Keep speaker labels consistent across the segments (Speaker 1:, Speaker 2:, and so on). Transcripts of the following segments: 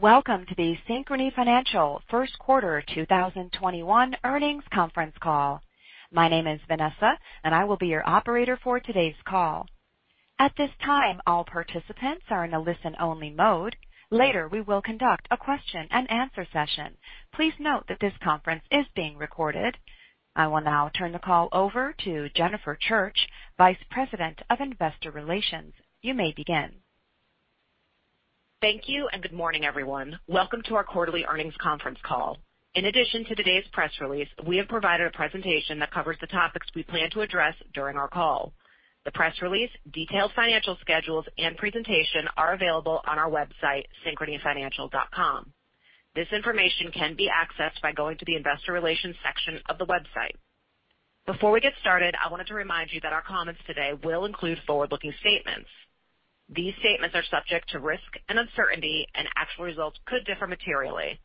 Speaker 1: Welcome to the Synchrony Financial first quarter 2021 earnings conference call. My name is Vanessa, and I will be your operator for today's call. At this time, all participants are in a listen-only mode. Later, we will conduct a question and answer session. Please note that this conference is being recorded. I will now turn the call over to Jennifer Church, Vice President of Investor Relations. You may begin.
Speaker 2: Thank you. Good morning, everyone. Welcome to our quarterly earnings conference call. In addition to today's press release, we have provided a presentation that covers the topics we plan to address during our call. The press release, detailed financial schedules, and presentation are available on our website, synchronyfinancial.com. This information can be accessed by going to the investor relations section of the website. Before we get started, I wanted to remind you that our comments today will include forward-looking statements. These statements are subject to risk and uncertainty. Actual results could differ materially.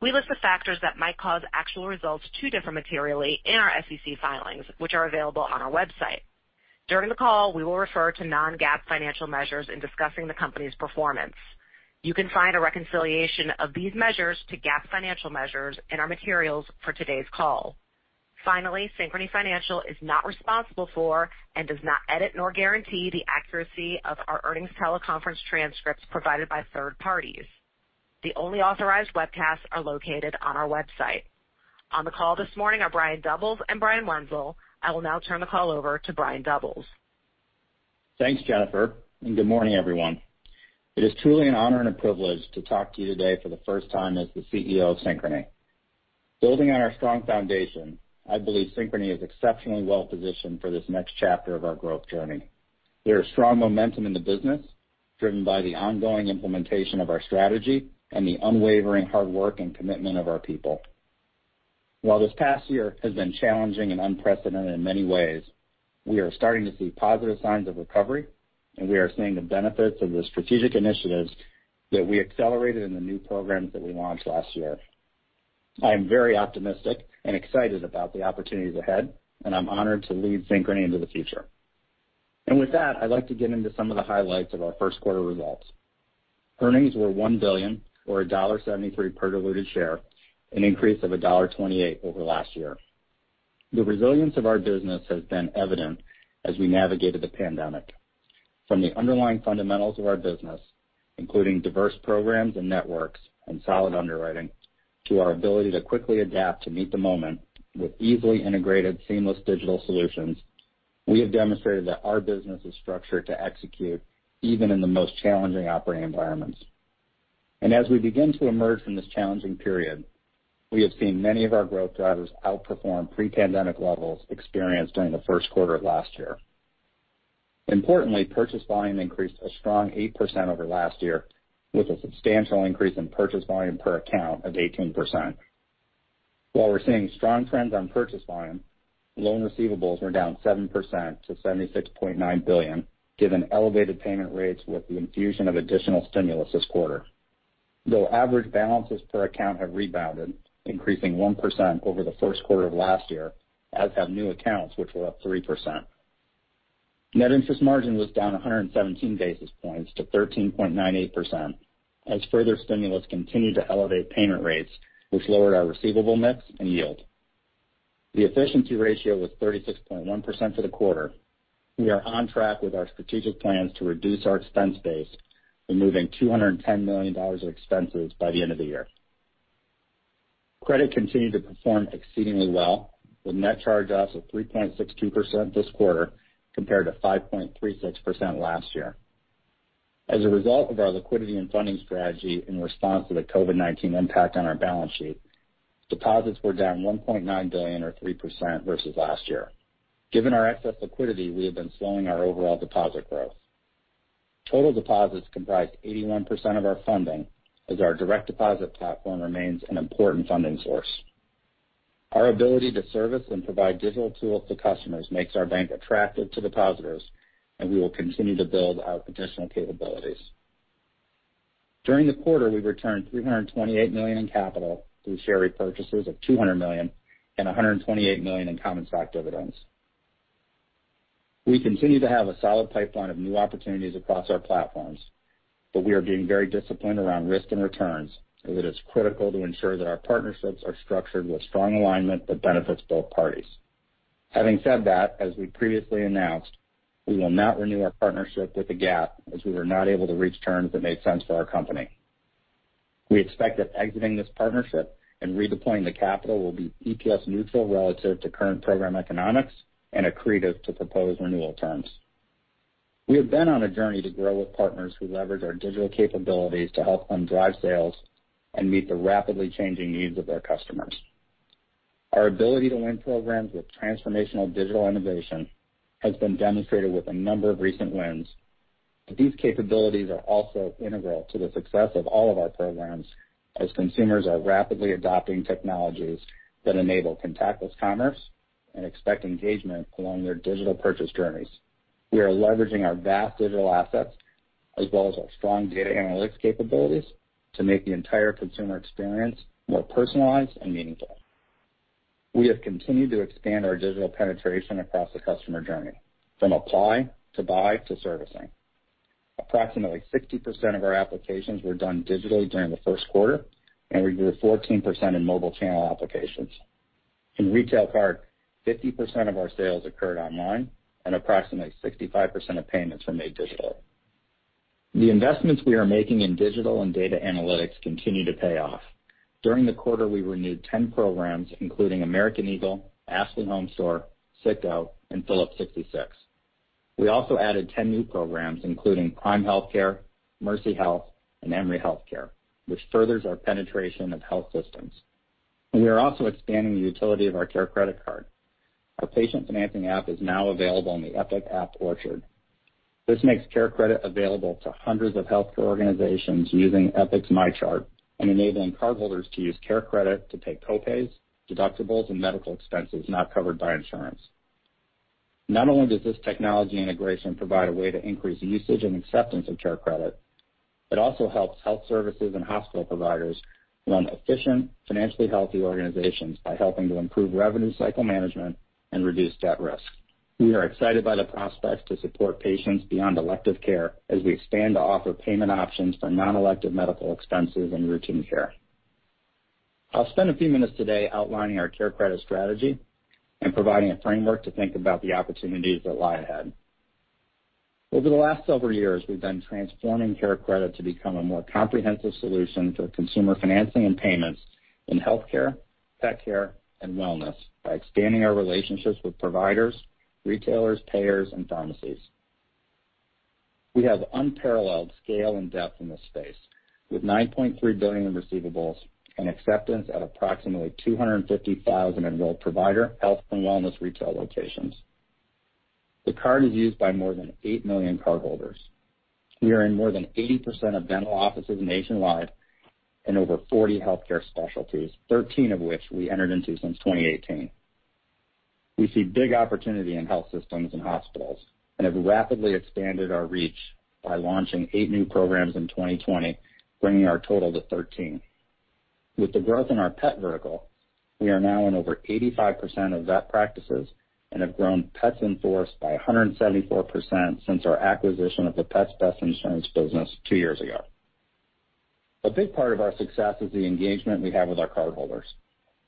Speaker 2: We list the factors that might cause actual results to differ materially in our SEC filings, which are available on our website. During the call, we will refer to non-GAAP financial measures in discussing the company's performance. You can find a reconciliation of these measures to GAAP financial measures in our materials for today's call. Synchrony Financial is not responsible for and does not edit nor guarantee the accuracy of our earnings teleconference transcripts provided by third parties. The only authorized webcasts are located on our website. On the call this morning are Brian Doubles and Brian Wenzel. I will now turn the call over to Brian Doubles.
Speaker 3: Thanks, Jennifer. Good morning, everyone. It is truly an honor and a privilege to talk to you today for the first time as the CEO of Synchrony. Building on our strong foundation, I believe Synchrony is exceptionally well-positioned for this next chapter of our growth journey. There is strong momentum in the business driven by the ongoing implementation of our strategy and the unwavering hard work and commitment of our people. While this past year has been challenging and unprecedented in many ways, we are starting to see positive signs of recovery. We are seeing the benefits of the strategic initiatives that we accelerated in the new programs that we launched last year. I am very optimistic and excited about the opportunities ahead. I'm honored to lead Synchrony into the future. With that, I'd like to get into some of the highlights of our first quarter results. Earnings were $1 billion or $1.73 per diluted share, an increase of $1.28 over last year. The resilience of our business has been evident as we navigated the pandemic. From the underlying fundamentals of our business, including diverse programs and networks and solid underwriting, to our ability to quickly adapt to meet the moment with easily integrated seamless digital solutions, we have demonstrated that our business is structured to execute even in the most challenging operating environments. As we begin to emerge from this challenging period, we have seen many of our growth drivers outperform pre-pandemic levels experienced during the first quarter of last year. Importantly, purchase volume increased a strong 8% over last year with a substantial increase in purchase volume per account of 18%. While we're seeing strong trends on purchase volume, loan receivables were down 7% to $76.9 billion given elevated payment rates with the infusion of additional stimulus this quarter. Though average balances per account have rebounded, increasing 1% over the first quarter of last year, as have new accounts, which were up 3%. net interest margin was down 117 basis points to 13.98% as further stimulus continued to elevate payment rates, which lowered our receivable mix and yield. The efficiency ratio was 36.1% for the quarter. We are on track with our strategic plans to reduce our expense base, removing $210 million of expenses by the end of the year. Credit continued to perform exceedingly well with net charge-offs of 3.62% this quarter compared to 5.36% last year. As a result of our liquidity and funding strategy in response to the COVID-19 impact on our balance sheet, deposits were down $1.9 billion or 3% versus last year. Given our excess liquidity, we have been slowing our overall deposit growth. Total deposits comprised 81% of our funding as our direct deposit platform remains an important funding source. Our ability to service and provide digital tools to customers makes our bank attractive to depositors, and we will continue to build out additional capabilities. During the quarter, we returned $328 million in capital through share repurchases of $200 million and $128 million in common stock dividends. We continue to have a solid pipeline of new opportunities across our platforms, but we are being very disciplined around risk and returns as it is critical to ensure that our partnerships are structured with strong alignment that benefits both parties. Having said that, as we previously announced, we will not renew our partnership with Gap as we were not able to reach terms that made sense for our company. We expect that exiting this partnership and redeploying the capital will be EPS-neutral relative to current program economics and accretive to proposed renewal terms. We have been on a journey to grow with partners who leverage our digital capabilities to help them drive sales and meet the rapidly changing needs of their customers. Our ability to win programs with transformational digital innovation has been demonstrated with a number of recent wins. These capabilities are also integral to the success of all of our programs as consumers are rapidly adopting technologies that enable contactless commerce and expect engagement along their digital purchase journeys. We are leveraging our vast digital assets as well as our strong data analytics capabilities to make the entire consumer experience more personalized and meaningful. We have continued to expand our digital penetration across the customer journey, from apply to buy to servicing. Approximately 60% of our applications were done digitally during the first quarter, and we did 14% in mobile channel applications. In Retail Card, 50% of our sales occurred online and approximately 65% of payments were made digital. The investments we are making in digital and data analytics continue to pay off. During the quarter, we renewed 10 programs including American Eagle, Ashley HomeStore, CITGO, and Phillips 66. We also added 10 new programs including Prime Healthcare, Mercy Health, and Emory Healthcare, which furthers our penetration of health systems. We are also expanding the utility of our CareCredit card. Our patient financing app is now available on the Epic App Orchard. This makes CareCredit available to hundreds of healthcare organizations using Epic's MyChart and enabling cardholders to use CareCredit to pay co-pays, deductibles, and medical expenses not covered by insurance. Not only does this technology integration provide a way to increase the usage and acceptance of CareCredit, but also helps health services and hospital providers run efficient, financially healthy organizations by helping to improve revenue cycle management and reduce debt risk. We are excited by the prospects to support patients beyond elective care as we expand to offer payment options for non-elective medical expenses and routine care. I'll spend a few minutes today outlining our CareCredit strategy and providing a framework to think about the opportunities that lie ahead. Over the last several years, we've been transforming CareCredit to become a more comprehensive solution to consumer financing and payments in healthcare, pet care, and wellness by expanding our relationships with providers, retailers, payers, and pharmacies. We have unparalleled scale and depth in this space, with $9.3 billion in receivables and acceptance at approximately 250,000 enrolled provider, health, and wellness retail locations. The card is used by more than eight million cardholders. We are in more than 80% of dental offices nationwide and over 40 healthcare specialties, 13 of which we entered into since 2018. We see big opportunity in health systems and hospitals and have rapidly expanded our reach by launching eight new programs in 2020, bringing our total to 13. With the growth in our pet vertical, we are now in over 85% of vet practices and have grown pets in force by 174% since our acquisition of the Pets Best Insurance business two years ago. A big part of our success is the engagement we have with our cardholders.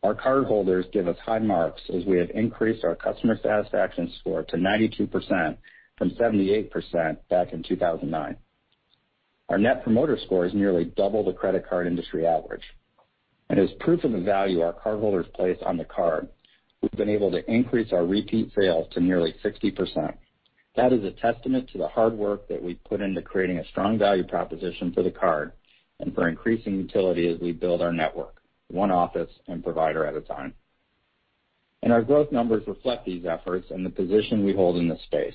Speaker 3: Our cardholders give us high marks as we have increased our customer satisfaction score to 92% from 78% back in 2009. Our net promoter score is nearly double the credit card industry average. As proof of the value our cardholders place on the card, we've been able to increase our repeat sales to nearly 60%. That is a testament to the hard work that we've put into creating a strong value proposition for the card and for increasing utility as we build our network one office and provider at a time. Our growth numbers reflect these efforts and the position we hold in this space.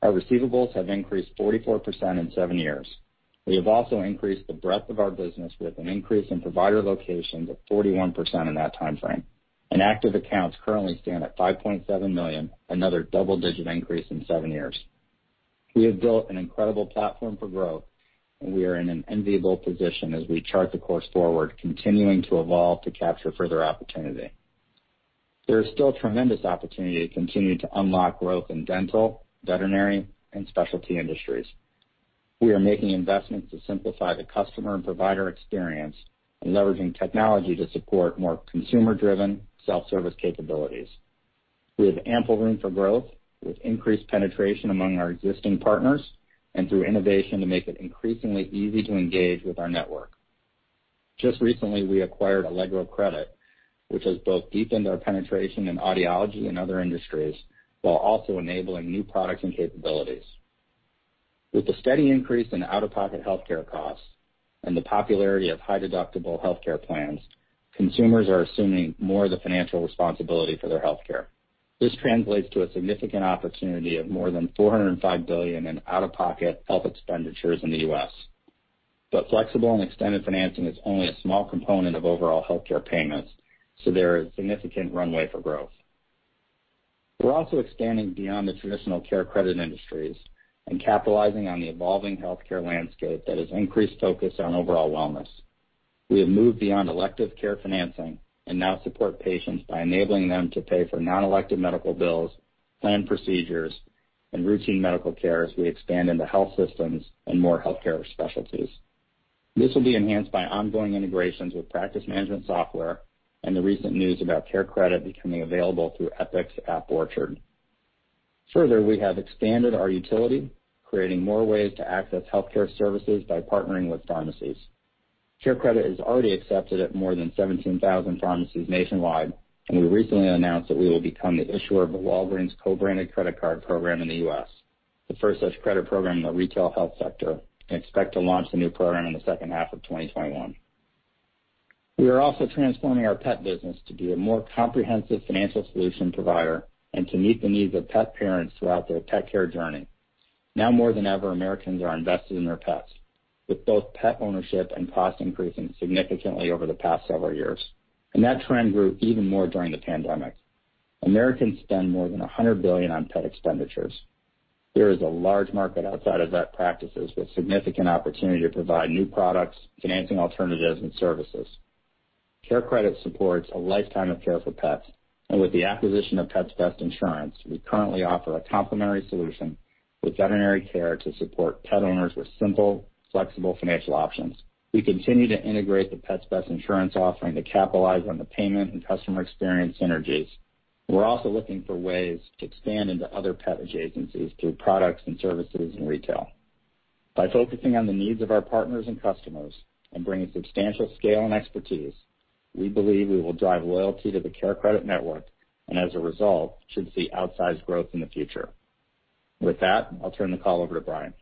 Speaker 3: Our receivables have increased 44% in seven years. We have also increased the breadth of our business with an increase in provider locations of 41% in that timeframe. Active accounts currently stand at 5.7 million, another double-digit increase in seven years. We have built an incredible platform for growth, and we are in an enviable position as we chart the course forward, continuing to evolve to capture further opportunity. There is still tremendous opportunity to continue to unlock growth in dental, veterinary, and specialty industries. We are making investments to simplify the customer and provider experience and leveraging technology to support more consumer-driven self-service capabilities. We have ample room for growth with increased penetration among our existing partners and through innovation to make it increasingly easy to engage with our network. Just recently, we acquired Allegro Credit, which has both deepened our penetration in audiology and other industries while also enabling new products and capabilities. With the steady increase in out-of-pocket healthcare costs and the popularity of high-deductible healthcare plans, consumers are assuming more of the financial responsibility for their healthcare. This translates to a significant opportunity of more than $405 billion in out-of-pocket health expenditures in the U.S. Flexible and extended financing is only a small component of overall healthcare payments, so there is significant runway for growth. We're also expanding beyond the traditional CareCredit industries and capitalizing on the evolving healthcare landscape that has increased focus on overall wellness. We have moved beyond elective care financing and now support patients by enabling them to pay for non-elective medical bills, planned procedures, and routine medical care as we expand into health systems and more healthcare specialties. This will be enhanced by ongoing integrations with practice management software and the recent news about CareCredit becoming available through Epic App Orchard. We have expanded our utility, creating more ways to access healthcare services by partnering with pharmacies. CareCredit is already accepted at more than 17,000 pharmacies nationwide, and we recently announced that we will become the issuer of a Walgreens co-branded credit card program in the U.S., the first such credit program in the retail health sector, and expect to launch the new program in the second half of 2021. We are also transforming our pet business to be a more comprehensive financial solution provider and to meet the needs of pet parents throughout their pet care journey. Now more than ever, Americans are invested in their pets, with both pet ownership and cost increasing significantly over the past several years. That trend grew even more during the pandemic. Americans spend more than $100 billion on pet expenditures. There is a large market outside of vet practices with significant opportunity to provide new products, financing alternatives, and services. CareCredit supports a lifetime of care for pets. With the acquisition of Pets Best Insurance, we currently offer a complementary solution with veterinary care to support pet owners with simple, flexible financial options. We continue to integrate the Pets Best Insurance offering to capitalize on the payment and customer experience synergies. We are also looking for ways to expand into other pet adjacencies through products and services in retail. By focusing on the needs of our partners and customers and bringing substantial scale and expertise, we believe we will drive loyalty to the CareCredit network, and as a result, should see outsized growth in the future. With that, I'll turn the call over to Brian.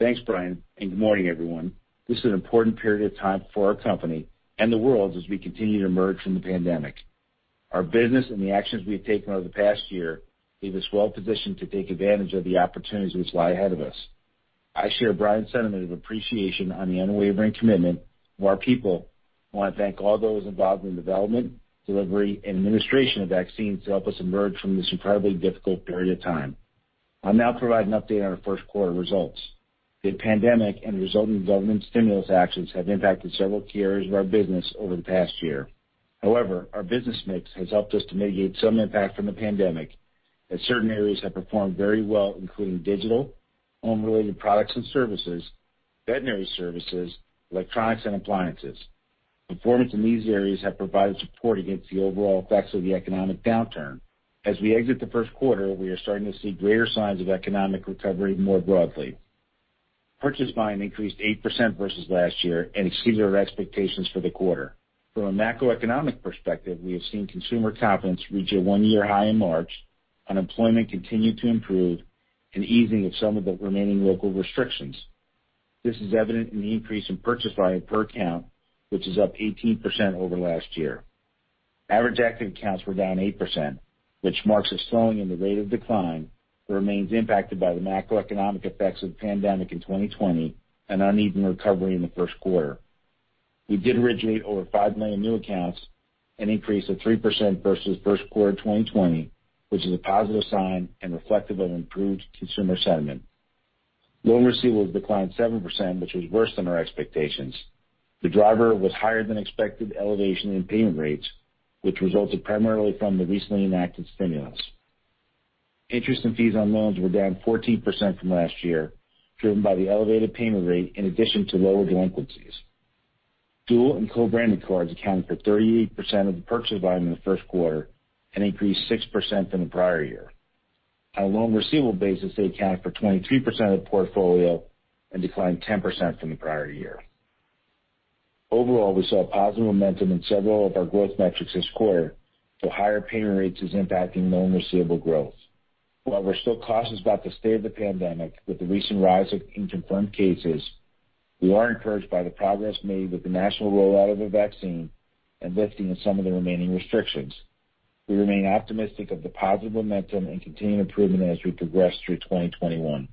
Speaker 4: Thanks, Brian. Good morning, everyone. This is an important period of time for our company and the world as we continue to emerge from the pandemic. Our business and the actions we have taken over the past year leave us well positioned to take advantage of the opportunities which lie ahead of us. I share Brian's sentiment of appreciation on the unwavering commitment of our people. I want to thank all those involved in the development, delivery, and administration of vaccines to help us emerge from this incredibly difficult period of time. I'll now provide an update on our first quarter results. The pandemic and resulting government stimulus actions have impacted several key areas of our business over the past year. However, our business mix has helped us to mitigate some impact from the pandemic, as certain areas have performed very well, including digital, home-related products and services, veterinary services, electronics, and appliances. Performance in these areas have provided support against the overall effects of the economic downturn. As we exit the first quarter, we are starting to see greater signs of economic recovery more broadly. Purchase volume increased 8% versus last year and exceeded our expectations for the quarter. From a macroeconomic perspective, we have seen consumer confidence reach a one-year high in March, unemployment continue to improve, and easing of some of the remaining local restrictions. This is evident in the increase in purchase volume per account, which is up 18% over last year. Average active accounts were down 8%, which marks a slowing in the rate of decline but remains impacted by the macroeconomic effects of the pandemic in 2020 and uneven recovery in the first quarter. We did originate over 5 million new accounts, an increase of 3% versus first quarter 2020, which is a positive sign and reflective of improved consumer sentiment. Loan receivables declined 7%, which was worse than our expectations. The driver was higher than expected elevation in payment rates, which resulted primarily from the recently enacted stimulus. Interest and fees on loans were down 14% from last year, driven by the elevated payment rate in addition to lower delinquencies. Dual and co-branded cards accounted for 38% of the purchase volume in the first quarter and increased 6% from the prior year. On a loan receivable basis, they accounted for 23% of the portfolio and declined 10% from the prior year. Overall, we saw positive momentum in several of our growth metrics this quarter, though higher payment rates is impacting loan receivable growth. While we're still cautious about the state of the pandemic with the recent rise in confirmed cases, we are encouraged by the progress made with the national rollout of the vaccine and lifting of some of the remaining restrictions. We remain optimistic of the positive momentum and continued improvement as we progress through 2021.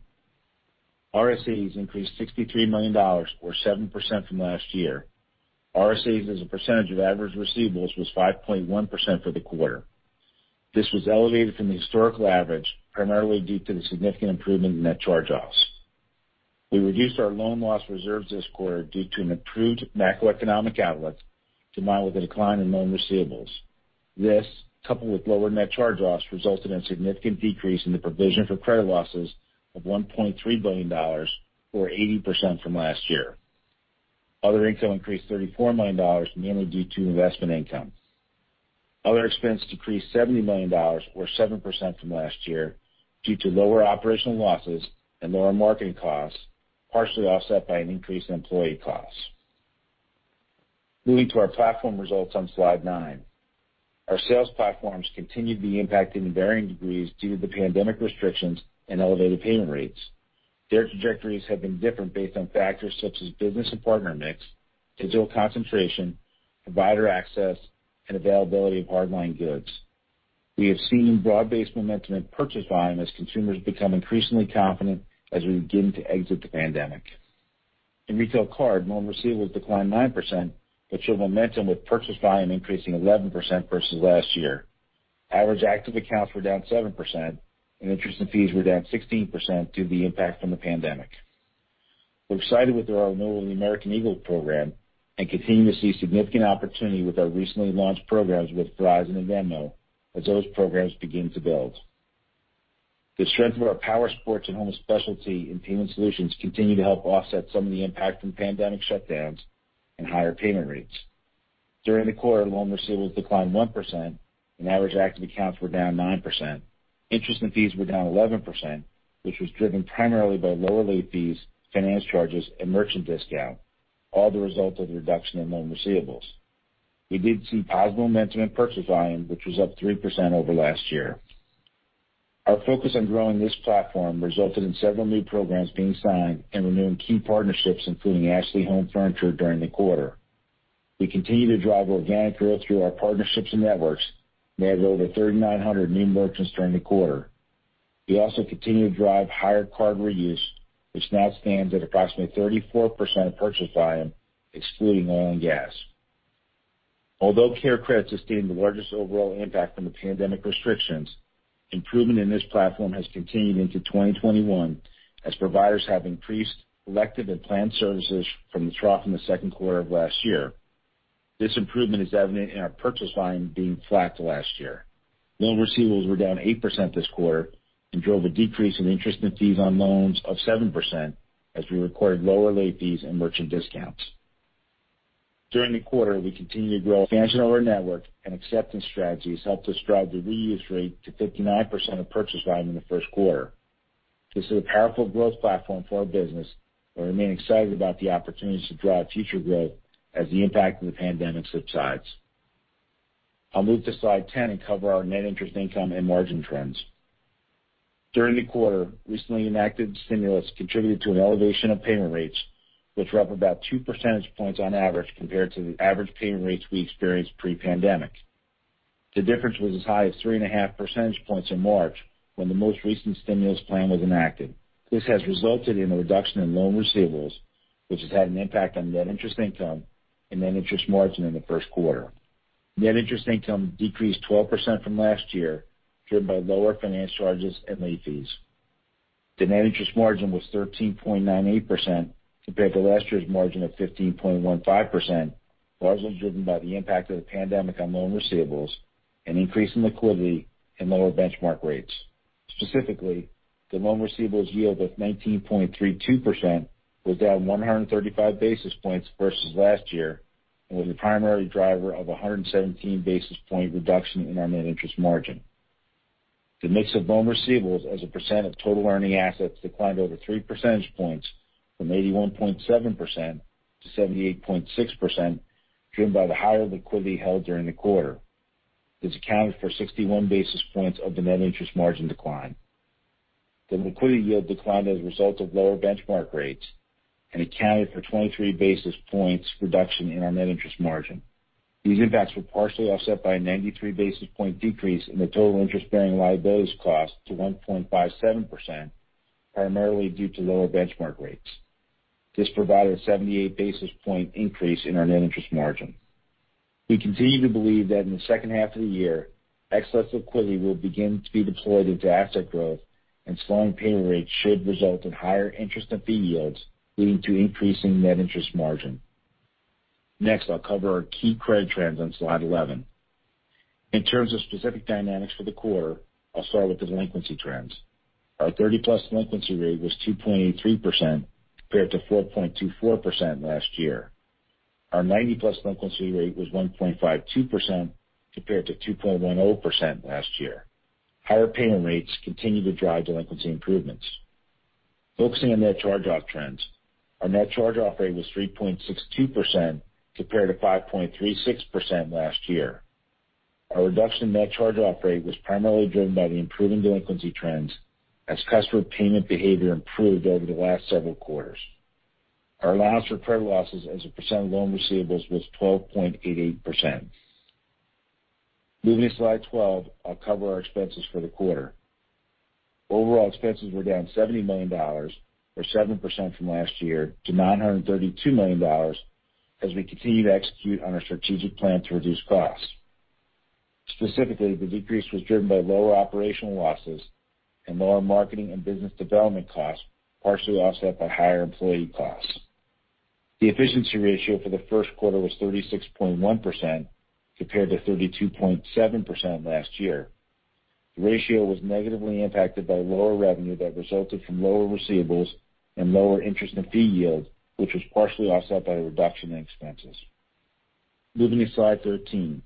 Speaker 4: RSAs increased $63 million or 7% from last year. RSAs as a percentage of average receivables was 5.1% for the quarter. This was elevated from the historical average, primarily due to the significant improvement in net charge-offs. We reduced our loan loss reserves this quarter due to an improved macroeconomic outlook, combined with a decline in loan receivables. This, coupled with lower net charge-offs, resulted in a significant decrease in the provision for credit losses of $1.3 billion or 80% from last year. Other income increased $34 million, mainly due to investment income. Other expense decreased $70 million or 7% from last year due to lower operational losses and lower marketing costs, partially offset by an increase in employee costs. Moving to our platform results on slide nine. Our sales platforms continue to be impacted in varying degrees due to the pandemic restrictions and elevated payment rates. Their trajectories have been different based on factors such as business and partner mix, digital concentration, provider access, and availability of hard line goods. We have seen broad-based momentum in purchase volume as consumers become increasingly confident as we begin to exit the pandemic. In Retail Card, loan receivables declined 9%, but showed momentum with purchase volume increasing 11% versus last year. Average active accounts were down 7%, and interest and fees were down 16% due to the impact from the pandemic. We're excited with our renewal of the American Eagle program and continue to see significant opportunity with our recently launched programs with Verizon and Venmo as those programs begin to build. The strength of our powersports and Home Specialty and Payment Solutions continue to help offset some of the impact from pandemic shutdowns and higher payment rates. During the quarter, loan receivables declined 1%, and average active accounts were down 9%. Interest and fees were down 11%, which was driven primarily by lower late fees, finance charges, and merchant discount, all the result of the reduction in loan receivables. We did see positive momentum in purchase volume, which was up 3% over last year. Our focus on growing this platform resulted in several new programs being signed and renewing key partnerships, including Ashley HomeStore during the quarter. We continue to drive organic growth through our partnerships and networks and added over 3,900 new merchants during the quarter. We also continue to drive higher card reuse, which now stands at approximately 34% of purchase volume, excluding oil and gas. Although CareCredit sustained the largest overall impact from the pandemic restrictions, improvement in this platform has continued into 2021 as providers have increased elective and planned services from the trough in the second quarter of last year. This improvement is evident in our purchase volume being flat to last year. Loan receivables were down 8% this quarter and drove a decrease in interest and fees on loans of 7% as we recorded lower late fees and merchant discounts. During the quarter, we continued to grow expansion of our network and acceptance strategies helped us drive the reuse rate to 59% of purchase volume in the first quarter. This is a powerful growth platform for our business, and we remain excited about the opportunities to drive future growth as the impact of the pandemic subsides. I'll move to slide 10 and cover our net interest income and margin trends. During the quarter, recently enacted stimulus contributed to an elevation of payment rates, which were up about two percentage points on average compared to the average payment rates we experienced pre-pandemic. The difference was as high as 3.5 Percentage points in March when the most recent stimulus plan was enacted. This has resulted in a reduction in loan receivables, which has had an impact on net interest income and net interest margin in the first quarter. Net interest income decreased 12% from last year, driven by lower finance charges and late fees. The net interest margin was 13.98% compared to last year's margin of 15.15%, largely driven by the impact of the pandemic on loan receivables and increase in liquidity and lower benchmark rates. Specifically, the loan receivables yield of 19.32% was down 135 basis points versus last year and was a primary driver of 117 basis point reduction in our net interest margin. The mix of loan receivables as a percent of total earning assets declined over 3% points from 81.7%-78.6%, driven by the higher liquidity held during the quarter. This accounted for 61 basis points of the net interest margin decline. The liquidity yield declined as a result of lower benchmark rates and accounted for 23 basis points reduction in our net interest margin. These impacts were partially offset by a 93 basis point decrease in the total interest-bearing liabilities cost to 1.57%, primarily due to lower benchmark rates. This provided a 78 basis point increase in our net interest margin. We continue to believe that in the second half of the year, excess liquidity will begin to be deployed into asset growth, and slowing payment rates should result in higher interest and fee yields, leading to increasing net interest margin. Next, I'll cover our key credit trends on slide 11. In terms of specific dynamics for the quarter, I'll start with delinquency trends. Our 30+ delinquency rate was 2.83% compared to 4.24% last year. Our 90+ delinquency rate was 1.52% compared to 2.10% last year. Higher payment rates continue to drive delinquency improvements. Focusing on net charge-off trends, our net charge-off rate was 3.62% compared to 5.36% last year. Our reduction in net charge-off rate was primarily driven by the improving delinquency trends as customer payment behavior improved over the last several quarters. Our allowance for credit losses as a percent of loan receivables was 12.88%. Moving to slide 12, I'll cover our expenses for the quarter. Overall expenses were down $70 million, or 7% from last year to $932 million as we continue to execute on our strategic plan to reduce costs. Specifically, the decrease was driven by lower operational losses and lower marketing and business development costs, partially offset by higher employee costs. The efficiency ratio for the first quarter was 36.1% compared to 32.7% last year. The ratio was negatively impacted by lower revenue that resulted from lower receivables and lower interest and fee yield, which was partially offset by a reduction in expenses. Moving to slide 13.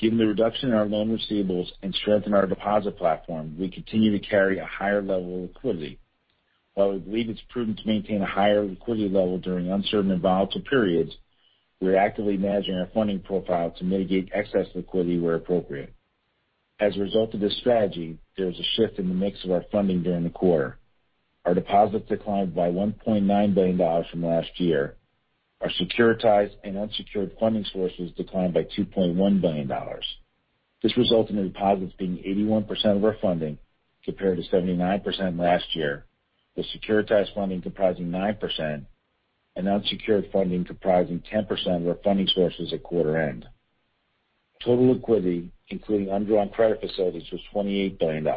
Speaker 4: Given the reduction in our loan receivables and strength in our deposit platform, we continue to carry a higher level of liquidity. While we believe it's prudent to maintain a higher liquidity level during uncertain and volatile periods, we are actively managing our funding profile to mitigate excess liquidity where appropriate. As a result of this strategy, there was a shift in the mix of our funding during the quarter. Our deposits declined by $1.9 billion from last year. Our securitized and unsecured funding sources declined by $2.1 billion. This resulted in deposits being 81% of our funding, compared to 79% last year, with securitized funding comprising 9% and unsecured funding comprising 10% of our funding sources at quarter end. Total liquidity, including undrawn credit facilities, was $28 billion,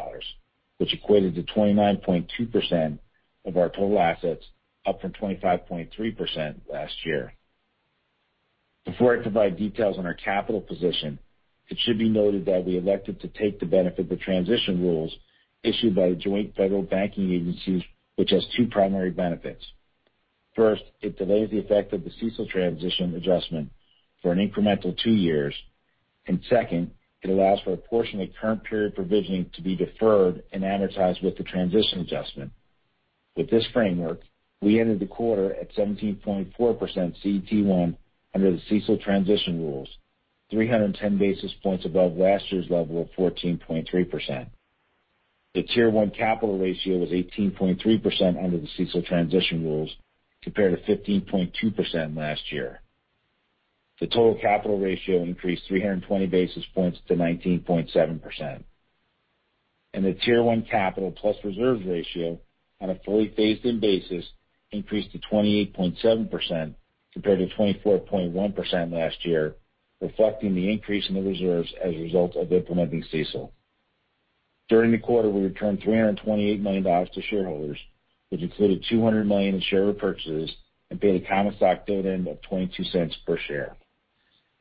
Speaker 4: which equated to 29.2% of our total assets, up from 25.3% last year. Before I provide details on our capital position, it should be noted that we elected to take the benefit of the transition rules issued by the joint federal banking agencies, which has two primary benefits. First, it delays the effect of the CECL transition adjustment for an incremental two years. Second, it allows for a portion of current period provisioning to be deferred and amortized with the transition adjustment. With this framework, we ended the quarter at 17.4% CET1 under the CECL transition rules, 310 basis points above last year's level of 14.3%. The Tier 1 capital ratio was 18.3% under the CECL transition rules compared to 15.2% last year. The total capital ratio increased 320 basis points to 19.7%. The Tier 1 capital plus reserves ratio on a fully phased-in basis increased to 28.7% compared to 24.1% last year, reflecting the increase in the reserves as a result of implementing CECL. During the quarter, we returned $328 million to shareholders, which included $200 million in share repurchases and paid a common stock dividend of $0.22 per share.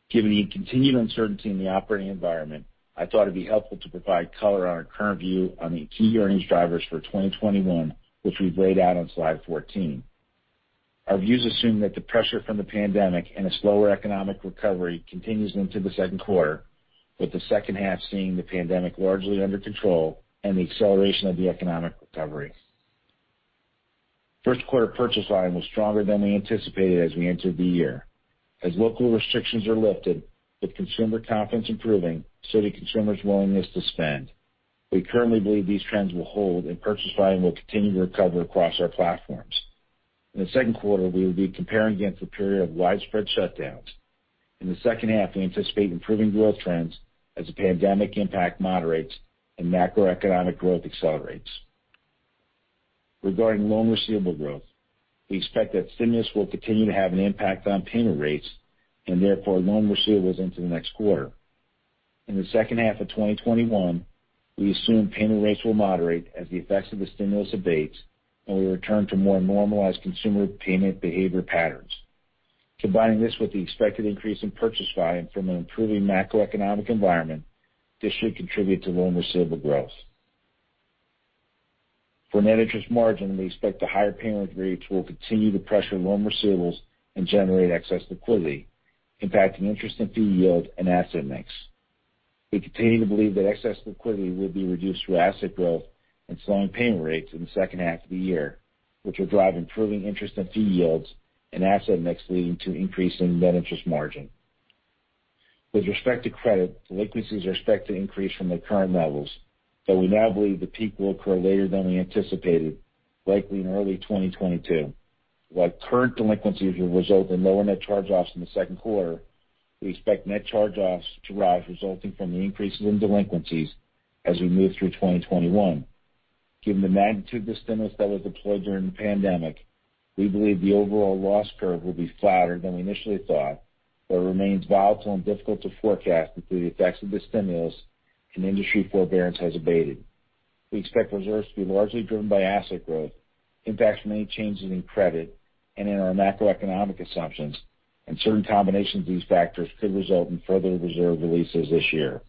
Speaker 4: Given the continued uncertainty in the operating environment, I thought it'd be helpful to provide color on our current view on the key earnings drivers for 2021, which we've laid out on slide 14. Our views assume that the pressure from the pandemic and a slower economic recovery continues into the second quarter, with the second half seeing the pandemic largely under control and the acceleration of the economic recovery. First quarter purchase volume was stronger than we anticipated as we entered the year. As local restrictions are lifted, with consumer confidence improving, so do consumers' willingness to spend. We currently believe these trends will hold, and purchase volume will continue to recover across our platforms. In the second quarter, we will be comparing against a period of widespread shutdowns. In the second half, we anticipate improving growth trends as the pandemic impact moderates and macroeconomic growth accelerates. Regarding loan receivable growth, we expect that stimulus will continue to have an impact on payment rates and therefore loan receivables into the next quarter. In the second half of 2021, we assume payment rates will moderate as the effects of the stimulus abates, and we return to more normalized consumer payment behavior patterns. Combining this with the expected increase in purchase volume from an improving macroeconomic environment, this should contribute to loan receivable growth. For net interest margin, we expect the higher payment rates will continue to pressure loan receivables and generate excess liquidity, impacting interest and fee yield and asset mix. We continue to believe that excess liquidity will be reduced through asset growth and slowing payment rates in the second half of the year, which will drive improving interest and fee yields and asset mix, leading to an increase in net interest margin. With respect to credit, delinquencies are expected to increase from their current levels, but we now believe the peak will occur later than we anticipated, likely in early 2022. While current delinquencies will result in lower net charge-offs in the second quarter, we expect net charge-offs to rise resulting from the increases in delinquencies as we move through 2021. Given the magnitude of the stimulus that was deployed during the pandemic, we believe the overall loss curve will be flatter than we initially thought, but it remains volatile and difficult to forecast until the effects of the stimulus and industry forbearance has abated. We expect reserves to be largely driven by asset growth, impacts from any changes in credit and in our macroeconomic assumptions, and certain combinations of these factors could result in further reserve releases this year.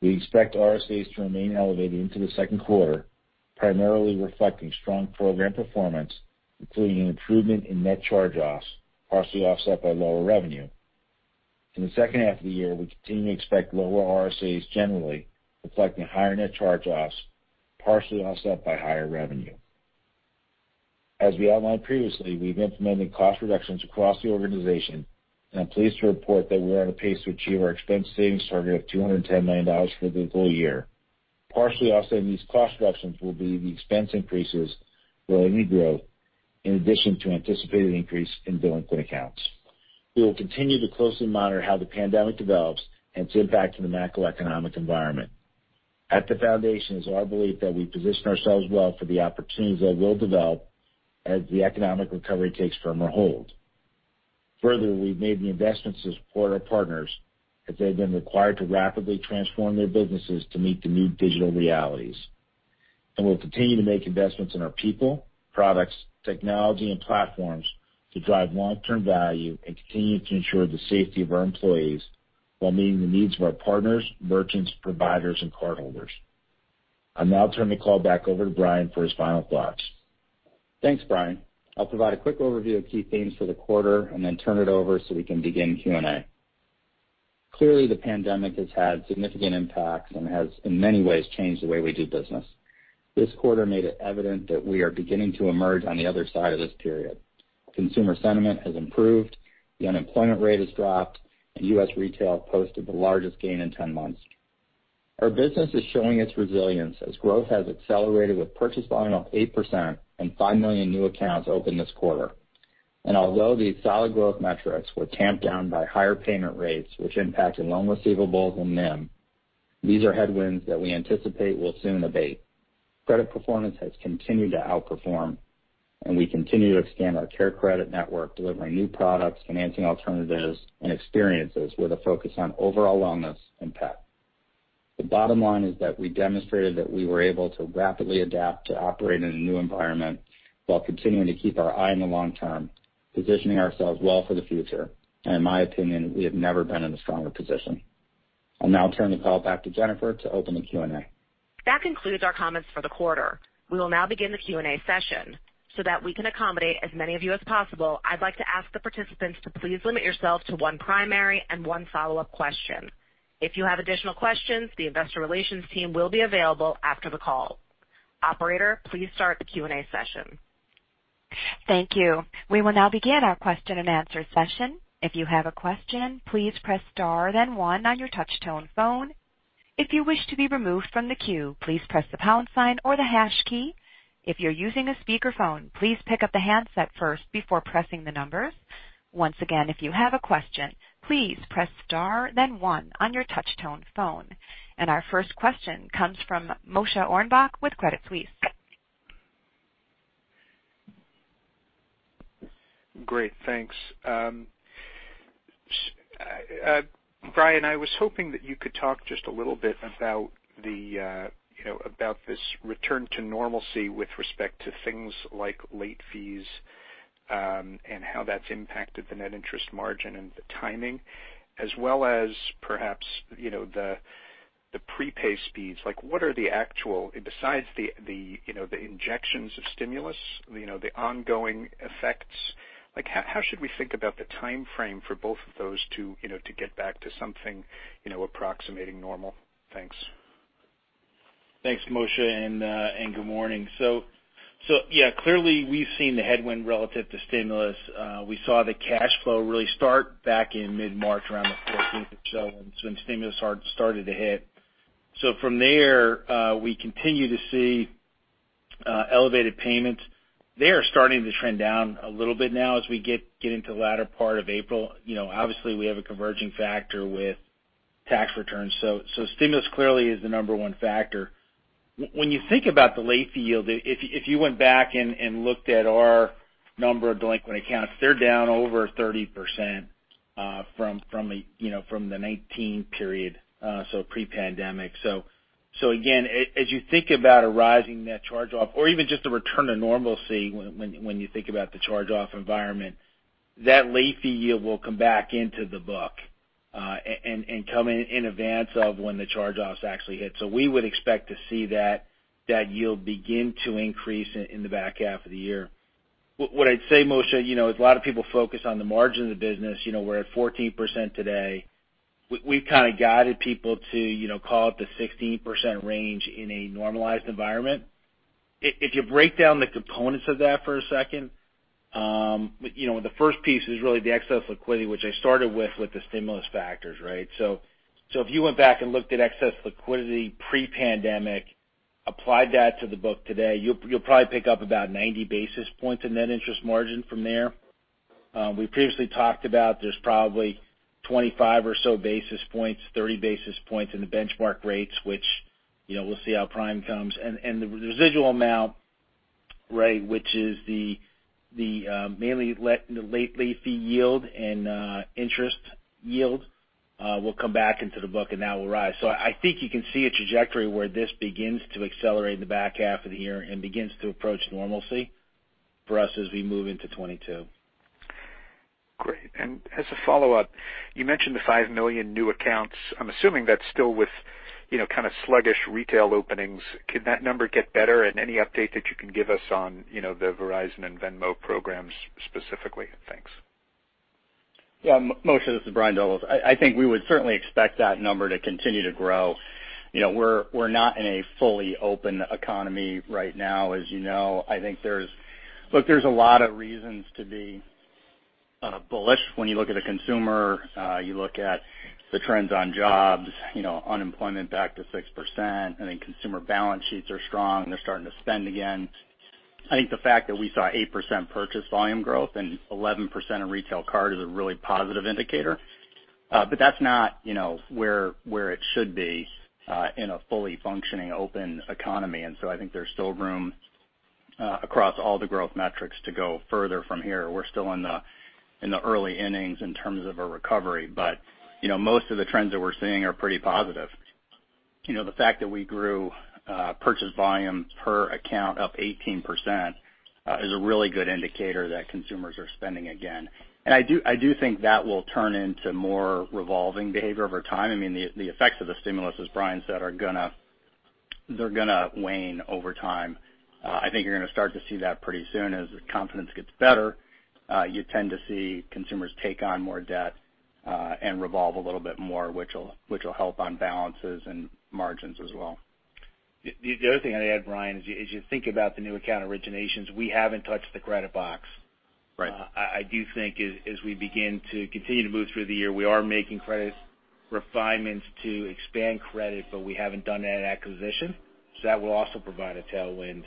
Speaker 4: We expect RSAs to remain elevated into the second quarter, primarily reflecting strong program performance, including an improvement in net charge-offs, partially offset by lower revenue. In the second half of the year, we continue to expect lower RSAs generally, reflecting higher net charge-offs, partially offset by higher revenue. As we outlined previously, we've implemented cost reductions across the organization, and I'm pleased to report that we're on a pace to achieve our expense savings target of $210 million for the full year. Partially offsetting these cost reductions will be the expense increases relating to growth in addition to anticipated increase in delinquent accounts. We will continue to closely monitor how the pandemic develops and its impact to the macroeconomic environment. At the foundation is our belief that we position ourselves well for the opportunities that will develop as the economic recovery takes firmer hold. Further, we've made the investments to support our partners as they've been required to rapidly transform their businesses to meet the new digital realities. We'll continue to make investments in our people, products, technology, and platforms to drive long-term value and continue to ensure the safety of our employees while meeting the needs of our partners, merchants, providers, and cardholders. I'll now turn the call back over to Brian for his final thoughts.
Speaker 3: Thanks, Brian. I'll provide a quick overview of key themes for the quarter and then turn it over so we can begin Q&A. Clearly, the pandemic has had significant impacts and has, in many ways, changed the way we do business. This quarter made it evident that we are beginning to emerge on the other side of this period. Consumer sentiment has improved, the unemployment rate has dropped, and U.S. retail posted the largest gain in 10 months. Our business is showing its resilience as growth has accelerated with purchase volume up 8% and 5 million new accounts opened this quarter. Although these solid growth metrics were tamped down by higher payment rates, which impacted loan receivables and NIM, these are headwinds that we anticipate will soon abate. Credit performance has continued to outperform, and we continue to expand our CareCredit network, delivering new products, financing alternatives, and experiences with a focus on overall wellness and pet. The bottom line is that we demonstrated that we were able to rapidly adapt to operate in a new environment while continuing to keep our eye on the long term, positioning ourselves well for the future. In my opinion, we have never been in a stronger position. I'll now turn the call back to Jennifer to open the Q&A.
Speaker 2: That concludes our comments for the quarter. We will now begin the Q&A session. That we can accommodate as many of you as possible, I'd like to ask the participants to please limit yourself to one primary and one follow-up question. If you have additional questions, the investor relations team will be available after the call. Operator, please start the Q&A session.
Speaker 1: Thank you. We will now begin our question-and-answer session. If you have a question, please press star then one on your touch-tone phone. If you wish to be removed from the queue, please press the pound sign or the hash key. If you're using a speakerphone, please pick up the handset first before pressing the numbers. Once again, if you have a question, please press star then one on your touch-tone phone. Our first question comes from Moshe Orenbuch with Credit Suisse.
Speaker 5: Great. Thanks. Brian, I was hoping that you could talk just a little bit about this return to normalcy with respect to things like late fees and how that's impacted the net interest margin and the timing, as well as perhaps, the prepay speeds? Besides the injections of stimulus, the ongoing effects, how should we think about the timeframe for both of those two to get back to something approximating normal? Thanks.
Speaker 4: Thanks, Moshe, and good morning. Clearly we've seen the headwind relative to stimulus. We saw the cash flow really start back in mid-March, around the 14th or so, when stimulus started to hit. From there, we continue to see elevated payments. They are starting to trend down a little bit now as we get into the latter part of April. Obviously, we have a converging factor with tax returns. Stimulus clearly is the number one factor. When you think about the late fee yield, if you went back and looked at our number of delinquent accounts, they're down over 30% from the 2019 period, so pre-pandemic. Again, as you think about a rising net charge-off or even just a return to normalcy when you think about the charge-off environment, that late fee yield will come back into the book, and come in advance of when the charge-offs actually hit. We would expect to see that yield begin to increase in the back half of the year. What I'd say, Moshe, as a lot of people focus on the margin of the business, we're at 14% today. We've kind of guided people to call it the 16% range in a normalized environment. If you break down the components of that for a second, the first piece is really the excess liquidity, which I started with the stimulus factors, right? If you went back and looked at excess liquidity pre-pandemic, applied that to the book today, you'll probably pick up about 90 basis points in net interest margin from there. We previously talked about, there's probably 25 or so basis points, 30 basis points in the benchmark rates, which we'll see how Prime comes. The residual amount, which is mainly the late fee yield and interest yield, will come back into the book, and that will rise. I think you can see a trajectory where this begins to accelerate in the back half of the year and begins to approach normalcy for us as we move into 2022.
Speaker 5: Great. As a follow-up, you mentioned the five million new accounts. I'm assuming that's still with kind of sluggish retail openings. Could that number get better? Any update that you can give us on the Verizon and Venmo programs specifically? Thanks.
Speaker 3: Yeah, Moshe, this is Brian Doubles. I think we would certainly expect that number to continue to grow. We're not in a fully open economy right now, as you know. Look, there's a lot of reasons to be bullish when you look at a consumer, you look at the trends on jobs, unemployment back to 6%. I think consumer balance sheets are strong, they're starting to spend again. I think the fact that we saw 8% purchase volume growth and 11% in Retail Card is a really positive indicator. That's not where it should be in a fully functioning open economy. I think there's still room across all the growth metrics to go further from here. We're still in the early innings in terms of a recovery, but most of the trends that we're seeing are pretty positive. The fact that we grew purchase volume per account up 18% is a really good indicator that consumers are spending again. I do think that will turn into more revolving behavior over time. The effects of the stimulus, as Brian said, are going to wane over time. I think you're going to start to see that pretty soon. As confidence gets better, you tend to see consumers take on more debt and revolve a little bit more, which will help on balances and margins as well.
Speaker 4: The other thing I'd add, Brian, is as you think about the new account originations, we haven't touched the credit box.
Speaker 3: Right.
Speaker 4: I do think as we begin to continue to move through the year, we are making credit refinements to expand credit, but we haven't done an acquisition. That will also provide a tailwind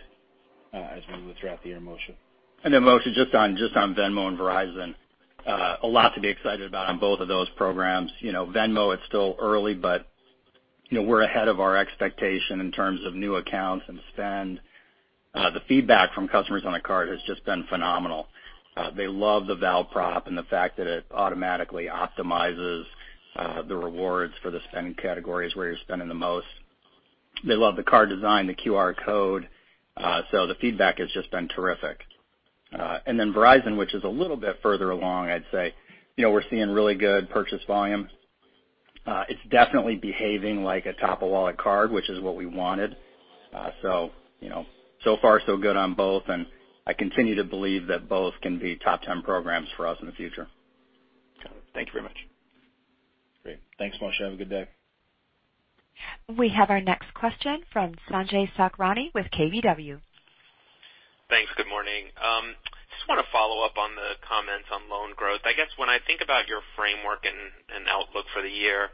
Speaker 4: as we move throughout the year, Moshe.
Speaker 3: Moshe, just on Venmo and Verizon. A lot to be excited about on both of those programs. Venmo, it is still early, but we are ahead of our expectation in terms of new accounts and spend. The feedback from customers on the card has just been phenomenal. They love the val prop and the fact that it automatically optimizes the rewards for the spend categories where you are spending the most. They love the card design, the QR code. The feedback has just been terrific. Verizon, which is a little bit further along, I would say. We are seeing really good purchase volume. It is definitely behaving like a top-of-wallet card, which is what we wanted. So far so good on both, and I continue to believe that both can be top 10 programs for us in the future.
Speaker 5: Got it. Thank you very much.
Speaker 3: Great.
Speaker 4: Thanks, Moshe, have a good day.
Speaker 1: We have our next question from Sanjay Sakhrani with KBW.
Speaker 6: Thanks. Good morning. Just want to follow up on the comments on loan growth. I guess when I think about your framework and outlook for the year,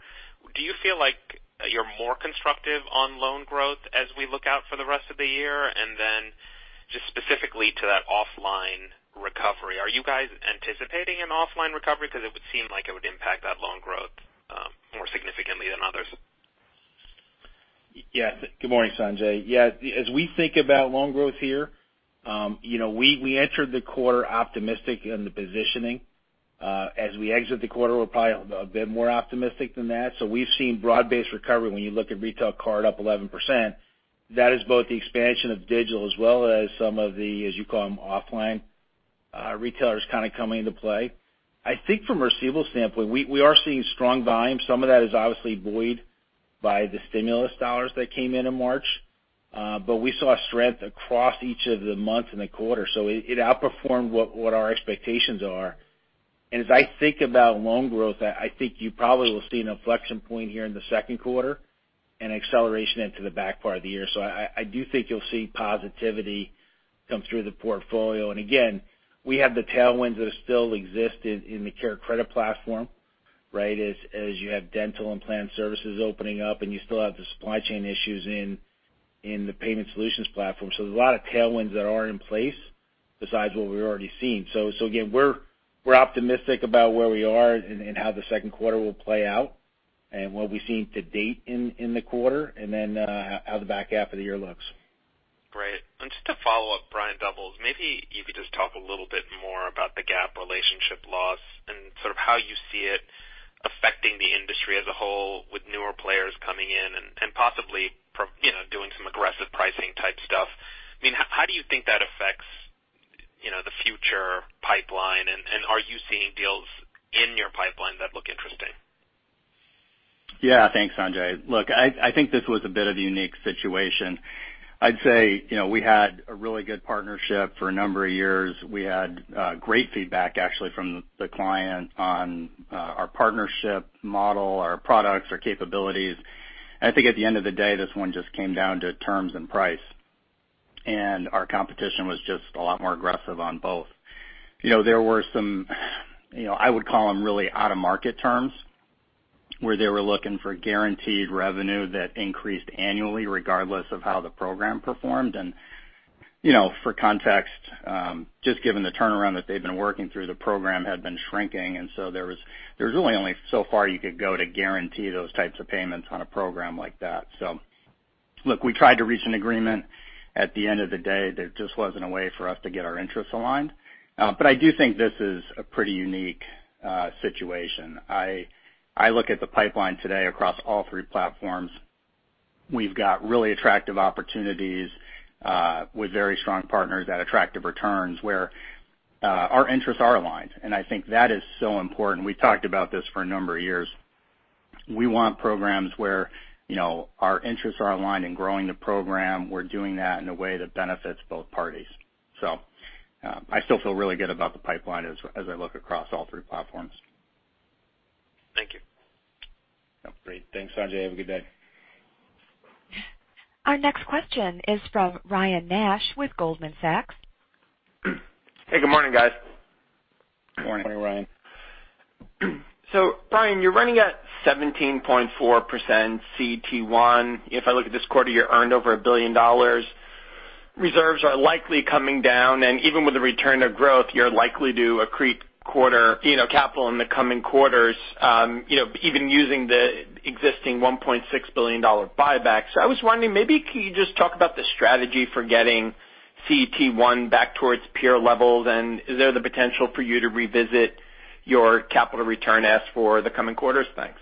Speaker 6: do you feel like you're more constructive on loan growth as we look out for the rest of the year? Just specifically to that offline recovery, are you guys anticipating an offline recovery? Because it would seem like it would impact that loan growth more significantly than others?
Speaker 4: Yes. Good morning, Sanjay. As we think about loan growth here, we entered the quarter optimistic in the positioning. As we exit the quarter, we're probably a bit more optimistic than that. We've seen broad-based recovery when you look at Retail Card up 11%. That is both the expansion of digital as well as some of the, as you call them, offline retailers kind of coming into play. I think from a receivable standpoint, we are seeing strong volume. Some of that is obviously buoyed by the stimulus dollars that came in in March. We saw strength across each of the months in the quarter. It outperformed what our expectations are. As I think about loan growth, I think you probably will see an inflection point here in the second quarter and acceleration into the back part of the year. I do think you'll see positivity come through the portfolio. Again, we have the tailwinds that still exist in the CareCredit platform, right? As you have dental and planned services opening up, and you still have the supply chain issues in the Payment Solutions platform. There's a lot of tailwinds that are in place besides what we've already seen. Again, we're optimistic about where we are and how the second quarter will play out, and what we've seen to date in the quarter, and then how the back half of the year looks.
Speaker 6: Great. Just to follow up, Brian Doubles, maybe you could just talk a little bit more about the Gap relationship loss and sort of how you see it affecting the industry as a whole with newer players coming in and possibly doing some aggressive pricing type stuff. How do you think that affects the future pipeline, and are you seeing deals in your pipeline that look interesting?
Speaker 3: Yeah. Thanks, Sanjay. Look, I think this was a bit of a unique situation. I'd say we had a really good partnership for a number of years. We had great feedback, actually, from the client on our partnership model, our products, our capabilities. I think at the end of the day, this one just came down to terms and price. Our competition was just a lot more aggressive on both. There were some, I would call them really out-of-market terms, where they were looking for guaranteed revenue that increased annually, regardless of how the program performed. For context, just given the turnaround that they've been working through, the program had been shrinking, so there was really only so far you could go to guarantee those types of payments on a program like that. Look, we tried to reach an agreement. At the end of the day, there just wasn't a way for us to get our interests aligned. I do think this is a pretty unique situation. I look at the pipeline today across all three platforms. We've got really attractive opportunities with very strong partners at attractive returns where our interests are aligned. I think that is so important. We talked about this for a number of years. We want programs where our interests are aligned in growing the program. We're doing that in a way that benefits both parties. I still feel really good about the pipeline as I look across all three platforms.
Speaker 6: Thank you.
Speaker 3: Great. Thanks, Sanjay. Have a good day.
Speaker 1: Our next question is from Ryan Nash with Goldman Sachs.
Speaker 7: Hey, good morning, guys.
Speaker 3: Morning.
Speaker 4: Morning, Ryan.
Speaker 7: Brian, you're running at 17.4% CET1. If I look at this quarter, you earned over $1 billion. Reserves are likely coming down, and even with the return of growth, you're likely to accrete capital in the coming quarters even using the existing $1.6 billion buyback. I was wondering, maybe can you just talk about the strategy for getting CET1 back towards peer levels, and is there the potential for you to revisit your capital return ask for the coming quarters? Thanks.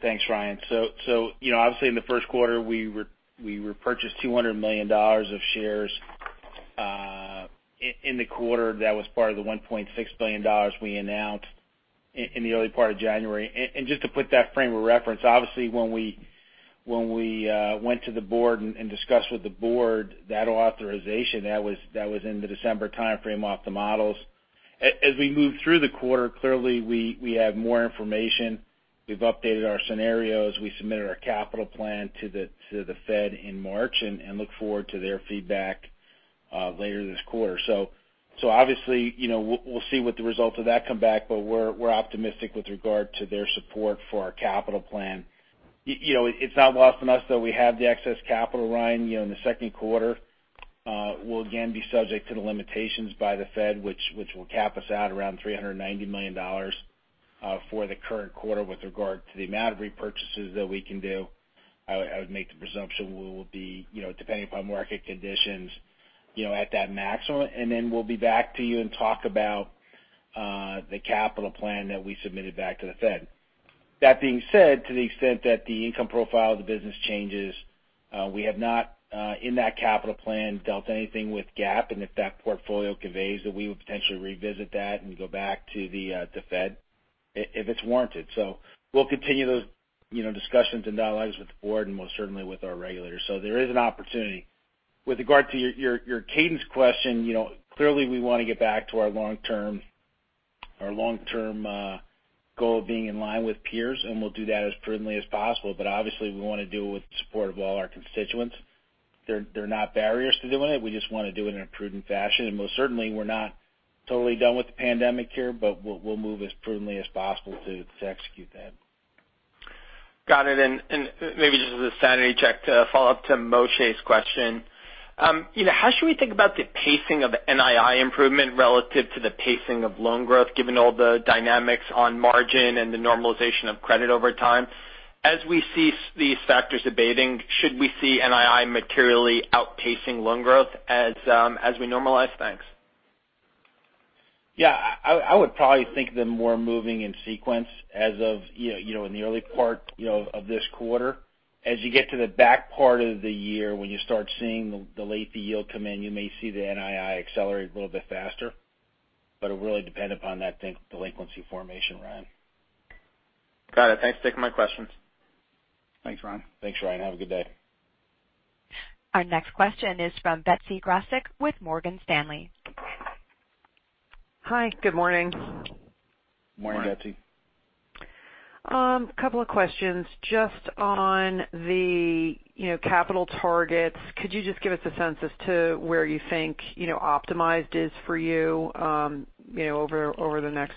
Speaker 4: Thanks, Ryan. Obviously, in the first quarter, we repurchased $200 million of shares. In the quarter, that was part of the $1.6 billion we announced in the early part of January. Just to put that frame of reference, obviously, when we went to the Board and discussed with the Board that authorization, that was in the December timeframe off the models. As we moved through the quarter, clearly, we have more information. We've updated our scenarios. We submitted our capital plan to the Fed in March and look forward to their feedback later this quarter. Obviously, we'll see what the results of that come back, but we're optimistic with regard to their support for our capital plan. It's not lost on us, though. We have the excess capital, Ryan. In the second quarter, we'll again be subject to the limitations by the Fed, which will cap us out around $390 million for the current quarter with regard to the amount of repurchases that we can do. I would make the presumption we will be, depending upon market conditions, at that maximum. We'll be back to you and talk about the capital plan that we submitted back to the Fed. That being said, to the extent that the income profile of the business changes, we have not, in that capital plan, dealt anything with Gap. If that portfolio conveys, then we would potentially revisit that and go back to the Fed if it's warranted. We'll continue those discussions and dialogues with the Board and most certainly with our regulators. There is an opportunity. With regard to your cadence question, clearly we want to get back to our long-term goal of being in line with peers, and we'll do that as prudently as possible. Obviously, we want to do it with the support of all our constituents. There are not barriers to doing it. We just want to do it in a prudent fashion. Most certainly, we're not totally done with the pandemic here, but we'll move as prudently as possible to execute that.
Speaker 7: Got it. Maybe just as a sanity check to follow up to Moshe's question. How should we think about the pacing of NII improvement relative to the pacing of loan growth, given all the dynamics on margin and the normalization of credit over time? As we see these factors abating, should we see NII materially outpacing loan growth as we normalize? Thanks.
Speaker 4: Yeah. I would probably think of them more moving in sequence as of in the early part of this quarter. You get to the back part of the year, when you start seeing the late fee yield come in, you may see the NII accelerate a little bit faster, but it'll really depend upon that delinquency formation, Ryan.
Speaker 7: Got it. Thanks for taking my questions.
Speaker 3: Thanks, Ryan.
Speaker 4: Thanks, Ryan. Have a good day.
Speaker 1: Our next question is from Betsy Graseck with Morgan Stanley.
Speaker 8: Hi, good morning.
Speaker 4: Morning, Betsy.
Speaker 8: A couple of questions. Just on the capital targets, could you just give us a sense as to where you think optimized is for you over the next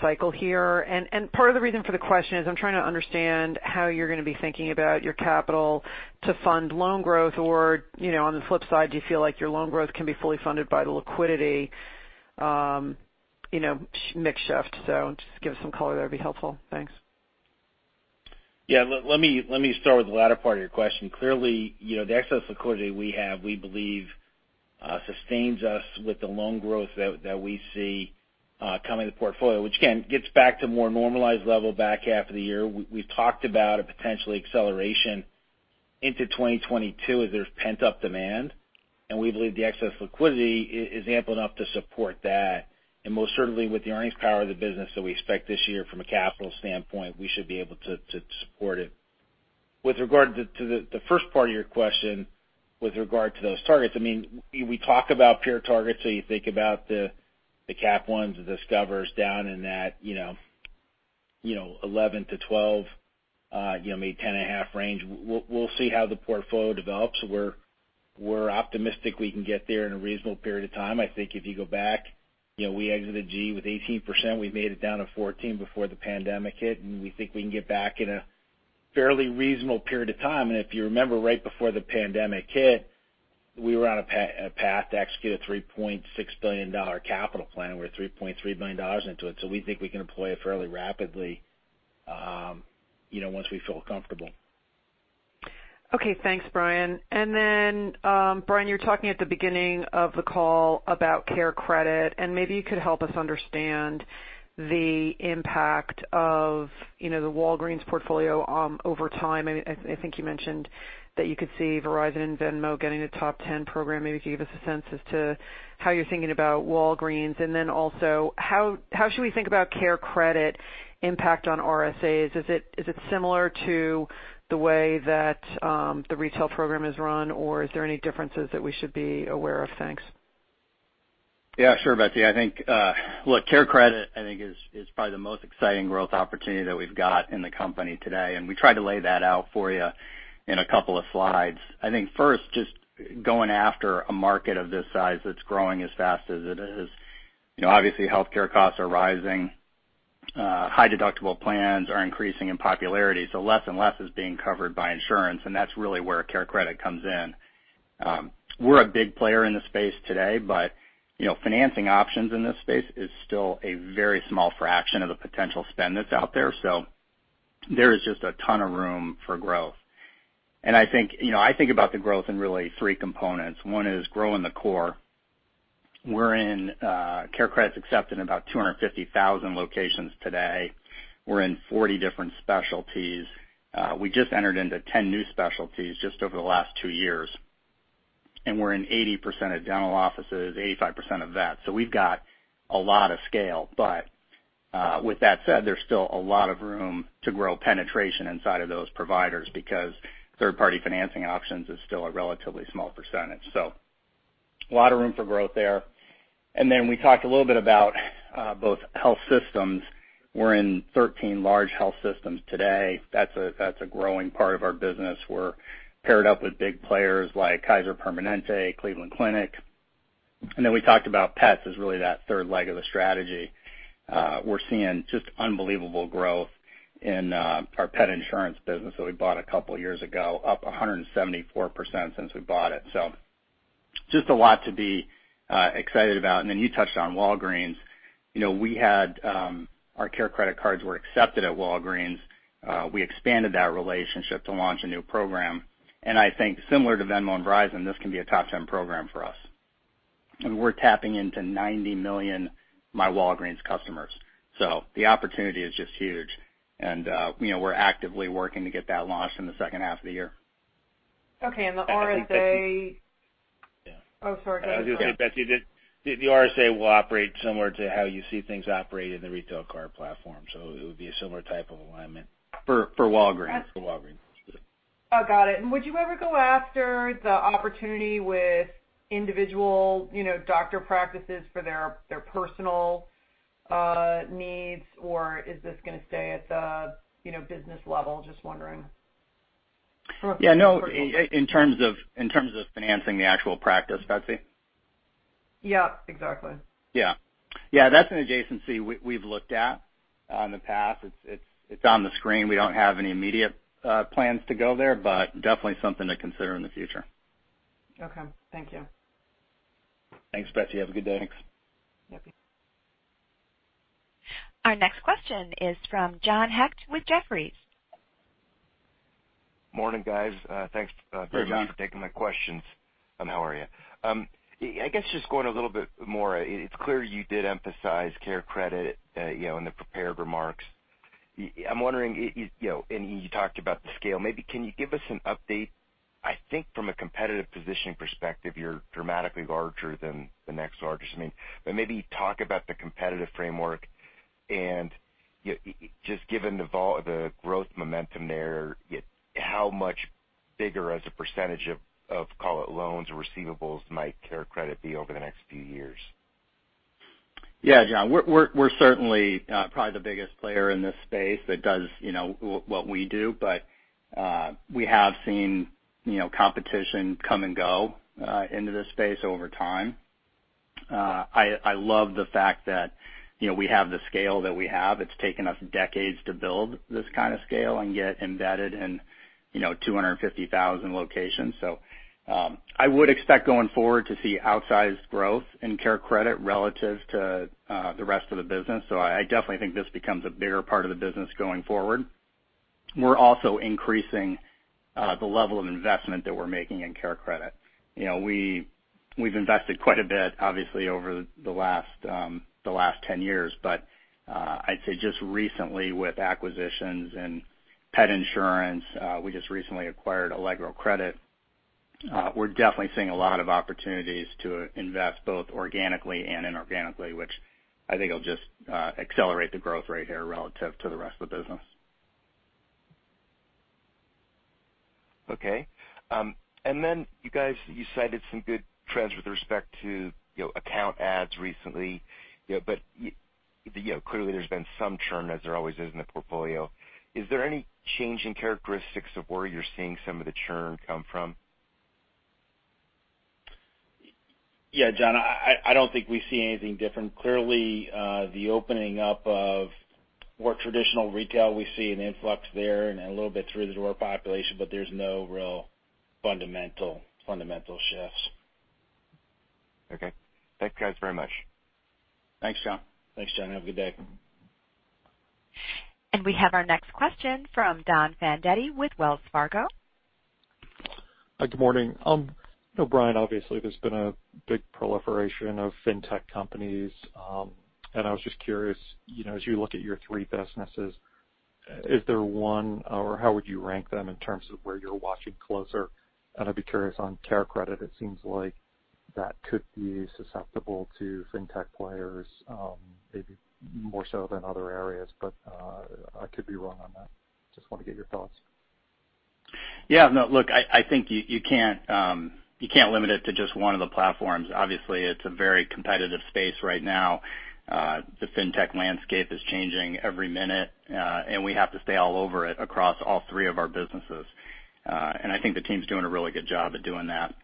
Speaker 8: cycle here? Part of the reason for the question is I'm trying to understand how you're going to be thinking about your capital to fund loan growth, or, on the flip side, do you feel like your loan growth can be fully funded by the liquidity mix shift? Just give us some color there, it'd be helpful. Thanks.
Speaker 4: Yeah. Let me start with the latter part of your question. Clearly, the excess liquidity we have, we believe, sustains us with the loan growth that we see coming in the portfolio, which, again, gets back to more normalized level back half of the year. We've talked about a potential acceleration into 2022 as there's pent-up demand, and we believe the excess liquidity is ample enough to support that. Most certainly with the earnings power of the business that we expect this year from a capital standpoint, we should be able to support it. With regard to the first part of your question with regard to those targets, we talk about peer targets. You think about the Capital One, the Discover is down in that 11-12, maybe 10.5 range. We'll see how the portfolio develops. We're optimistic we can get there in a reasonable period of time. I think if you go back, we exited GE with 18%. We've made it down to 14% before the pandemic hit, we think we can get back in a fairly reasonable period of time. If you remember right before the pandemic hit, we were on a path to execute a $3.6 billion capital plan. We're $3.3 billion into it. We think we can deploy it fairly rapidly once we feel comfortable.
Speaker 8: Okay, thanks, Brian. Brian, you were talking at the beginning of the call about CareCredit, and maybe you could help us understand the impact of the Walgreens portfolio over time. I think you mentioned that you could see Verizon and Venmo getting the top 10 program. Maybe if you could give us a sense as to how you're thinking about Walgreens, and then also how should we think about CareCredit impact on RSAs? Is it similar to the way that the retail program is run, or are there any differences that we should be aware of? Thanks.
Speaker 3: Sure, Betsy. Look, CareCredit, I think is probably the most exciting growth opportunity that we've got in the company today. We tried to lay that out for you in a couple of slides. I think first, just going after a market of this size that's growing as fast as it is. Obviously, healthcare costs are rising. High deductible plans are increasing in popularity, less and less is being covered by insurance. That's really where CareCredit comes in. We're a big player in the space today, financing options in this space is still a very small fraction of the potential spend that's out there. There is just a ton of room for growth. I think about the growth in really three components. One is growing the core. CareCredit is accepted in about 250,000 locations today. We're in 40 different specialties. We just entered into 10 new specialties just over the last two years. We're in 80% of dental offices, 85% of vet. We've got a lot of scale. With that said, there's still a lot of room to grow penetration inside of those providers because third-party financing options is still a relatively small percentage. A lot of room for growth there. We talked a little bit about both health systems. We're in 13 large health systems today. That's a growing part of our business. We're paired up with big players like Kaiser Permanente, Cleveland Clinic. We talked about pets as really that third leg of the strategy. We're seeing just unbelievable growth in our pet insurance business that we bought a couple of years ago, up 174% since we bought it. Just a lot to be excited about. You touched on Walgreens. Our CareCredit cards were accepted at Walgreens. We expanded that relationship to launch a new program. I think similar to Venmo and Verizon, this can be a top 10 program for us. We're tapping into 90 million myWalgreens customers. The opportunity is just huge. We're actively working to get that launched in the second half of the year.
Speaker 8: Okay.
Speaker 4: I think Betsy.
Speaker 8: Oh, sorry. Go ahead.
Speaker 4: I was going to say, Betsy, the RSA will operate similar to how you see things operate in the Retail Card platform. It would be a similar type of alignment for Walgreens.
Speaker 8: Oh, got it. Would you ever go after the opportunity with individual doctor practices for their personal needs, or is this going to stay at the business level? Just wondering.
Speaker 3: Yeah, no. In terms of financing the actual practice, Betsy?
Speaker 8: Yeah, exactly.
Speaker 3: That's an adjacency we've looked at in the past. It's on the screen. We don't have any immediate plans to go there, but definitely something to consider in the future.
Speaker 8: Okay. Thank you.
Speaker 3: Thanks, Betsy. Have a good day.
Speaker 4: Thanks.
Speaker 8: Yeah, okay.
Speaker 1: Our next question is from John Hecht with Jefferies.
Speaker 9: Morning, guys. Thanks for taking my questions.
Speaker 3: Hey, John.
Speaker 9: How are you? I guess just going a little bit more. It's clear you did emphasize CareCredit in the prepared remarks. I'm wondering, and you talked about the scale. Maybe can you give us an update? I think from a competitive positioning perspective, you're dramatically larger than the next largest. Maybe talk about the competitive framework and just given the growth momentum there, how much bigger as a percentage of, call it, loans or receivables might CareCredit be over the next few years?
Speaker 3: Yeah, John, we're certainly probably the biggest player in this space that does what we do. We have seen competition come and go into this space over time. I love the fact that we have the scale that we have. It's taken us decades to build this kind of scale and get embedded in 250,000 locations. I would expect going forward to see outsized growth in CareCredit relative to the rest of the business. I definitely think this becomes a bigger part of the business going forward. We're also increasing the level of investment that we're making in CareCredit. We've invested quite a bit, obviously, over the last 10 years. I'd say just recently with acquisitions and pet insurance, we just recently acquired Allegro Credit. We're definitely seeing a lot of opportunities to invest both organically and inorganically, which I think will just accelerate the growth rate here relative to the rest of the business.
Speaker 9: Okay. You guys, you cited some good trends with respect to account adds recently. Clearly there's been some churn, as there always is in the portfolio. Is there any change in characteristics of where you're seeing some of the churn come from?
Speaker 3: Yeah, John, I don't think we see anything different. Clearly, the opening up of more traditional retail, we see an influx there and a little bit through-the-door population. There's no real fundamental shifts.
Speaker 9: Okay. Thank you guys very much.
Speaker 3: Thanks, John.
Speaker 4: Thanks, John have a good day.
Speaker 1: We have our next question from Don Fandetti with Wells Fargo.
Speaker 10: Good morning. Brian, obviously there's been a big proliferation of fintech companies. I was just curious, as you look at your three businesses, is there one, or how would you rank them in terms of where you're watching closer? I'd be curious on CareCredit. It seems like that could be susceptible to fintech players maybe more so than other areas, I could be wrong on that. Just want to get your thoughts.
Speaker 3: Yeah. No, look, I think you can't limit it to just one of the platforms. Obviously, it's a very competitive space right now. The fintech landscape is changing every minute, and we have to stay all over it across all three of our businesses. I think the team's doing a really good job at doing that.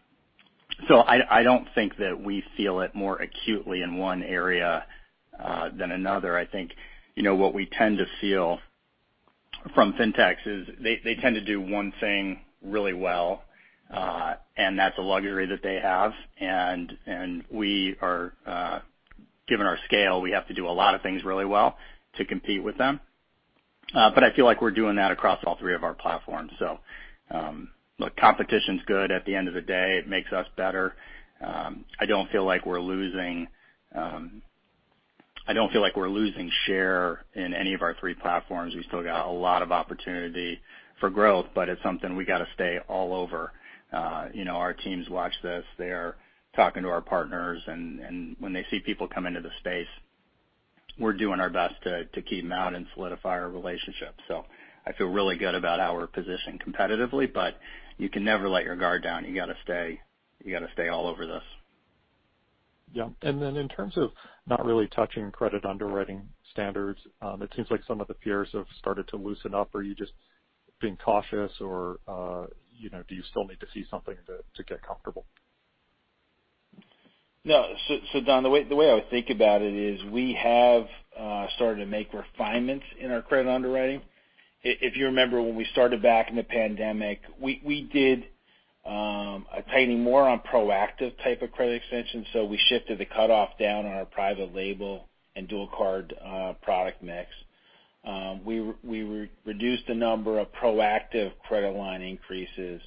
Speaker 3: I don't think that we feel it more acutely in one area than another. I think what we tend to feel from fintechs is they tend to do one thing really well and that's a luxury that they have, and given our scale, we have to do a lot of things really well to compete with them. I feel like we're doing that across all three of our platforms. Look, competition's good at the end of the day. It makes us better. I don't feel like we're losing share in any of our three platforms. We've still got a lot of opportunity for growth, but it's something we got to stay all over. Our teams watch this. They are talking to our partners, and when they see people come into the space, we're doing our best to keep them out and solidify our relationships. I feel really good about our position competitively, but you can never let your guard down. You got to stay all over this.
Speaker 10: Yeah. In terms of not really touching credit underwriting standards, it seems like some of the peers have started to loosen up. Are you just being cautious or do you still need to see something to get comfortable?
Speaker 3: No. Don, the way I would think about it is we have started to make refinements in our credit underwriting. If you remember when we started back in the pandemic, we did a tightening more on proactive type of credit extensions. We shifted the cutoff down on our private label and Dual Card product mix. We reduced the number of proactive credit line increases.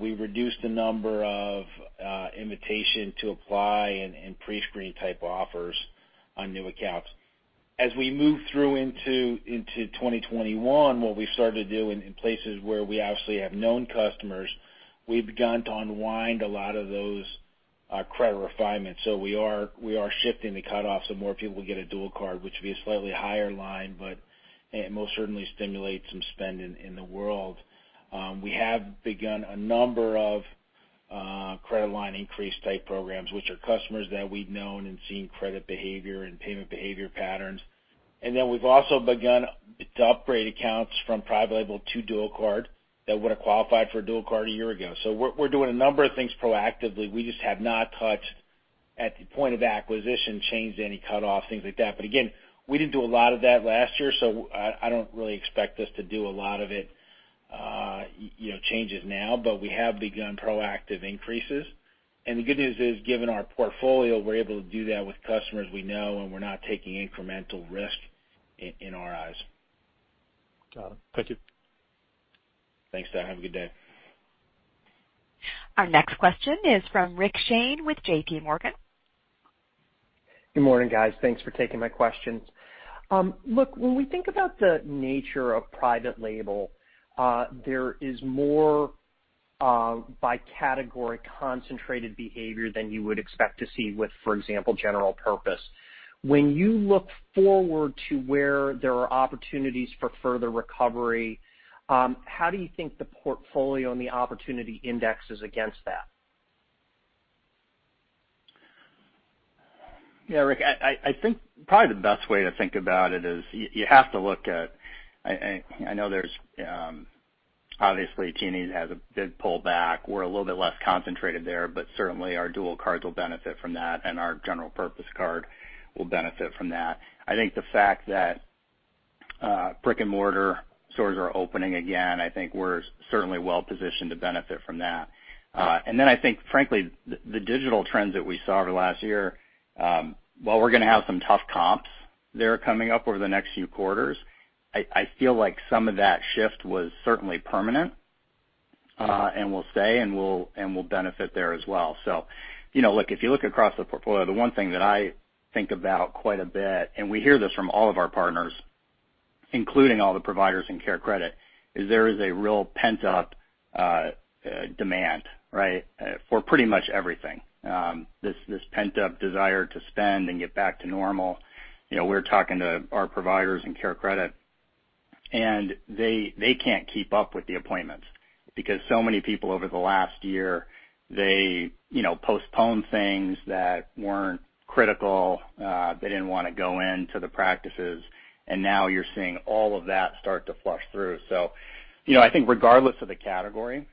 Speaker 3: We reduced the number of invitation-to-apply and pre-screen type offers on new accounts. We move through into 2021, what we've started to do in places where we obviously have known customers, we've begun to unwind a lot of those credit refinements. We are shifting the cutoffs so more people can get a Dual Card, which would be a slightly higher line, but it most certainly stimulates some spending in the world. We have begun a number of credit line increase type programs, which are customers that we've known and seen credit behavior and payment behavior patterns. We've also begun to upgrade accounts from private label to Dual Card that would have qualified for a Dual Card a year ago. We're doing a number of things proactively. We just have not touched at the point of acquisition, changed any cutoffs, things like that. Again, we didn't do a lot of that last year. I don't really expect us to do a lot of it changes now. We have begun proactive increases. The good news is, given our portfolio, we're able to do that with customers we know, and we're not taking incremental risk in our eyes.
Speaker 10: Got it. Thank you.
Speaker 3: Thanks, Don. Have a good day.
Speaker 1: Our next question is from Rick Shane with JPMorgan.
Speaker 11: Good morning, guys. Thanks for taking my questions. When we think about the nature of private label, there is more by-category concentrated behavior than you would expect to see with, for example, general purpose. When you look forward to where there are opportunities for further recovery, how do you think the portfolio and the opportunity indexes against that?
Speaker 3: Yeah, Rick. I think probably the best way to think about it is you have to look at I know there's, obviously, TJX has a big pullback. We're a little bit less concentrated there, but certainly our Dual Cards will benefit from that, and our general purpose card will benefit from that. I think the fact that brick-and-mortar stores are opening again, I think we're certainly well positioned to benefit from that. I think, frankly, the digital trends that we saw over last year, while we're going to have some tough comps there coming up over the next few quarters, I feel like some of that shift was certainly permanent, and will stay and we'll benefit there as well. Look, if you look across the portfolio, the one thing that I think about quite a bit, and we hear this from all of our partners, including all the providers in CareCredit, is there is a real pent-up demand, for pretty much everything. This pent-up desire to spend and get back to normal. We're talking to our providers in CareCredit, and they can't keep up with the appointments because so many people over the last year postponed things that weren't critical. They didn't want to go into the practices. Now you're seeing all of that start to flush through. I think regardless of the category,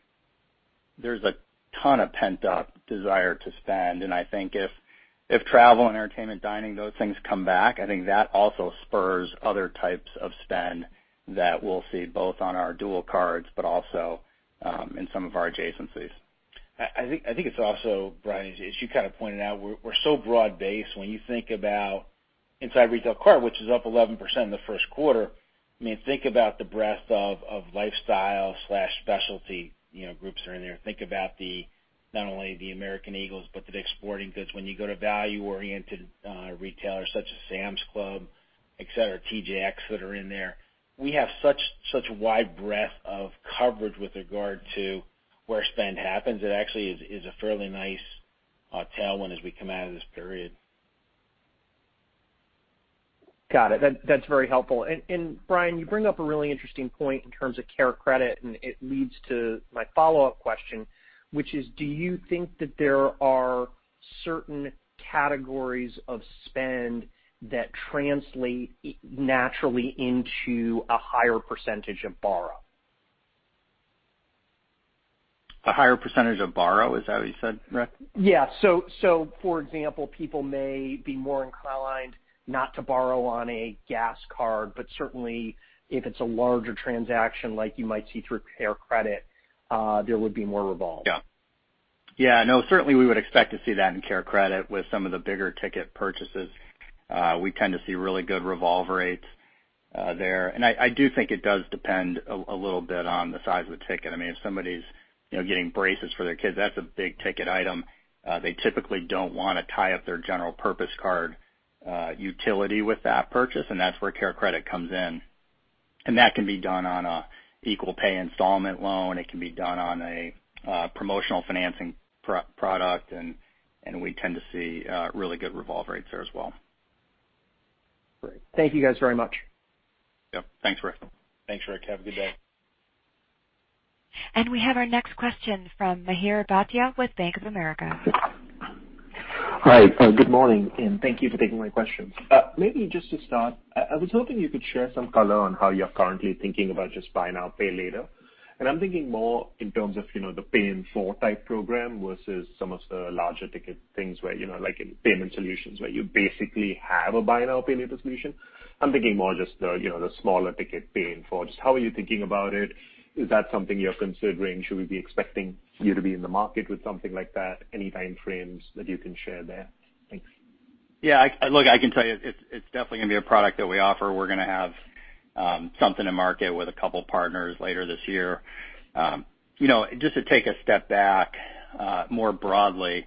Speaker 3: there's a ton of pent-up desire to spend. I think if travel, entertainment, dining, those things come back, I think that also spurs other types of spend that we'll see both on our Dual Cards, but also in some of our adjacencies.
Speaker 4: I think it's also, Brian, as you pointed out, we're so broad-based. When you think about inside Retail Card, which is up 11% in the first quarter. I mean, think about the breadth of lifestyle/specialty groups that are in there. Think about not only the American Eagle, but the DICK'S Sporting Goods. When you go to value-oriented retailers such as Sam's Club, et cetera, TJX that are in there. We have such a wide breadth of coverage with regard to where spend happens. It actually is a fairly nice tailwind as we come out of this period.
Speaker 11: Got it. That's very helpful. Brian, you bring up a really interesting point in terms of CareCredit, and it leads to my follow-up question, which is: Do you think that there are certain categories of spend that translate naturally into a higher percentage of borrow?
Speaker 3: A higher percentage of borrow? Is that what you said, Rick?
Speaker 11: Yeah. For example, people may be more inclined not to borrow on a gas card, but certainly if it's a larger transaction like you might see through CareCredit, there would be more revolve.
Speaker 3: Yeah. No, certainly we would expect to see that in CareCredit with some of the bigger ticket purchases. We tend to see really good revolve rates there. I do think it does depend a little bit on the size of the ticket. If somebody's getting braces for their kids, that's a big ticket item. They typically don't want to tie up their general purpose card utility with that purchase, and that's where CareCredit comes in. That can be done on an equal pay installment loan. It can be done on a promotional financing product, and we tend to see really good revolve rates there as well.
Speaker 11: Great. Thank you guys very much.
Speaker 3: Yep. Thanks, Rick.
Speaker 4: Thanks, Rick. Have a good day.
Speaker 1: We have our next question from Mihir Bhatia with Bank of America.
Speaker 12: Hi. Good morning, thank you for taking my questions. Maybe just to start, I was hoping you could share some color on how you're currently thinking about just buy now, pay later. I'm thinking more in terms of the pay-in-four type program versus some of the larger ticket things where, like in Payment Solutions where you basically have a buy now, pay later solution. I'm thinking more just the smaller ticket pay-in-four. Just how are you thinking about it? Is that something you're considering? Should we be expecting you to be in the market with something like that? Any time frames that you can share there? Thanks.
Speaker 3: Yeah. Look, I can tell you, it's definitely going to be a product that we offer. We're going to have something to market with a couple partners later this year. Just to take a step back more broadly,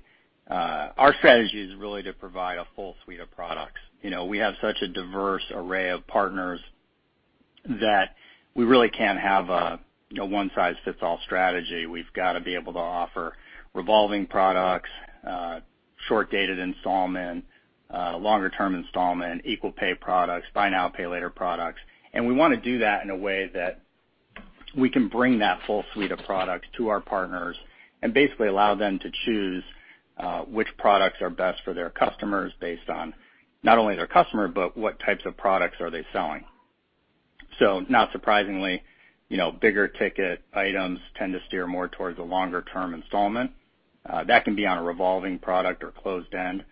Speaker 3: our strategy is really to provide a full suite of products. We have such a diverse array of partners that we really can't have a one-size-fits-all strategy. We've got to be able to offer revolving products, short-dated installment, longer-term installment, equal pay products, buy now, pay later products. We want to do that in a way that we can bring that full suite of products to our partners and basically allow them to choose which products are best for their customers based on not only their customer, but what types of products are they selling. Not surprisingly, bigger ticket items tend to steer more towards a longer-term installment. That can be on a revolving product or closed-end.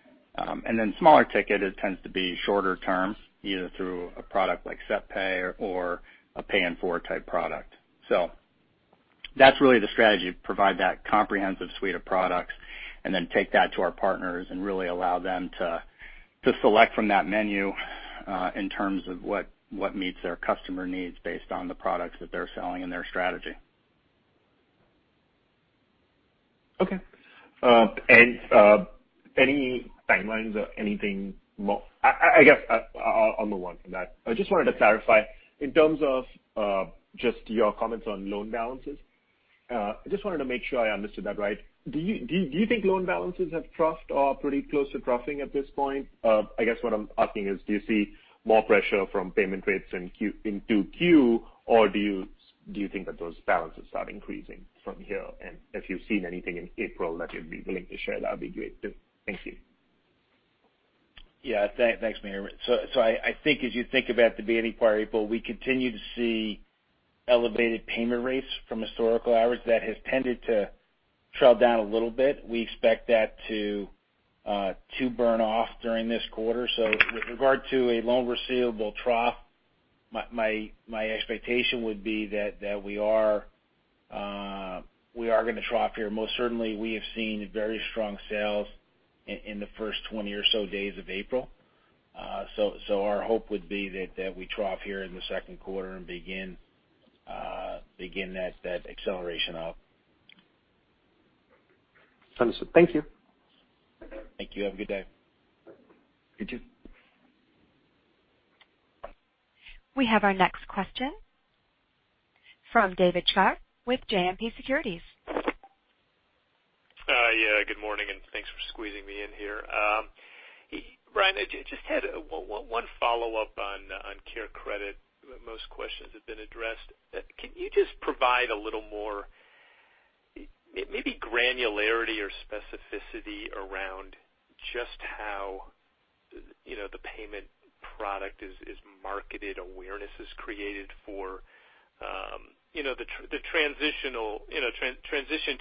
Speaker 3: Smaller ticket, it tends to be shorter terms, either through a product like SetPay or a pay in four type product. That's really the strategy, provide that comprehensive suite of products and then take that to our partners and really allow them to select from that menu in terms of what meets their customer needs based on the products that they're selling and their strategy.
Speaker 12: Okay. Any timelines or anything more? I guess I'll move on from that. I just wanted to clarify in terms of just your comments on loan balances. I just wanted to make sure I understood that right. Do you think loan balances have troughed or pretty close to troughing at this point? I guess what I'm asking is, do you see more pressure from payment rates into 2Q or do you think that those balances start increasing from here? If you've seen anything in April that you'd be willing to share, that'd be great, too. Thank you.
Speaker 4: Yeah. Thanks, Mihir Bhatia. I think as you think about the beginning part of April, we continue to see elevated payment rates from historical average. That has tended to trail down a little bit. We expect that to burn off during this quarter. With regard to a loan receivable trough, my expectation would be that we are going to trough here. Most certainly, we have seen very strong sales in the first 20 or so days of April. Our hope would be that we trough here in the second quarter and begin that acceleration up.
Speaker 12: Understood. Thank you.
Speaker 3: Thank you. Have a good day.
Speaker 12: You too.
Speaker 1: We have our next question from David Scharf with JMP Securities.
Speaker 13: Good morning. Thanks for squeezing me in here. Brian, I just had one follow-up on CareCredit. Most questions have been addressed. Can you just provide a little more, maybe granularity or specificity around just how the payment product is marketed, awareness is created for the transition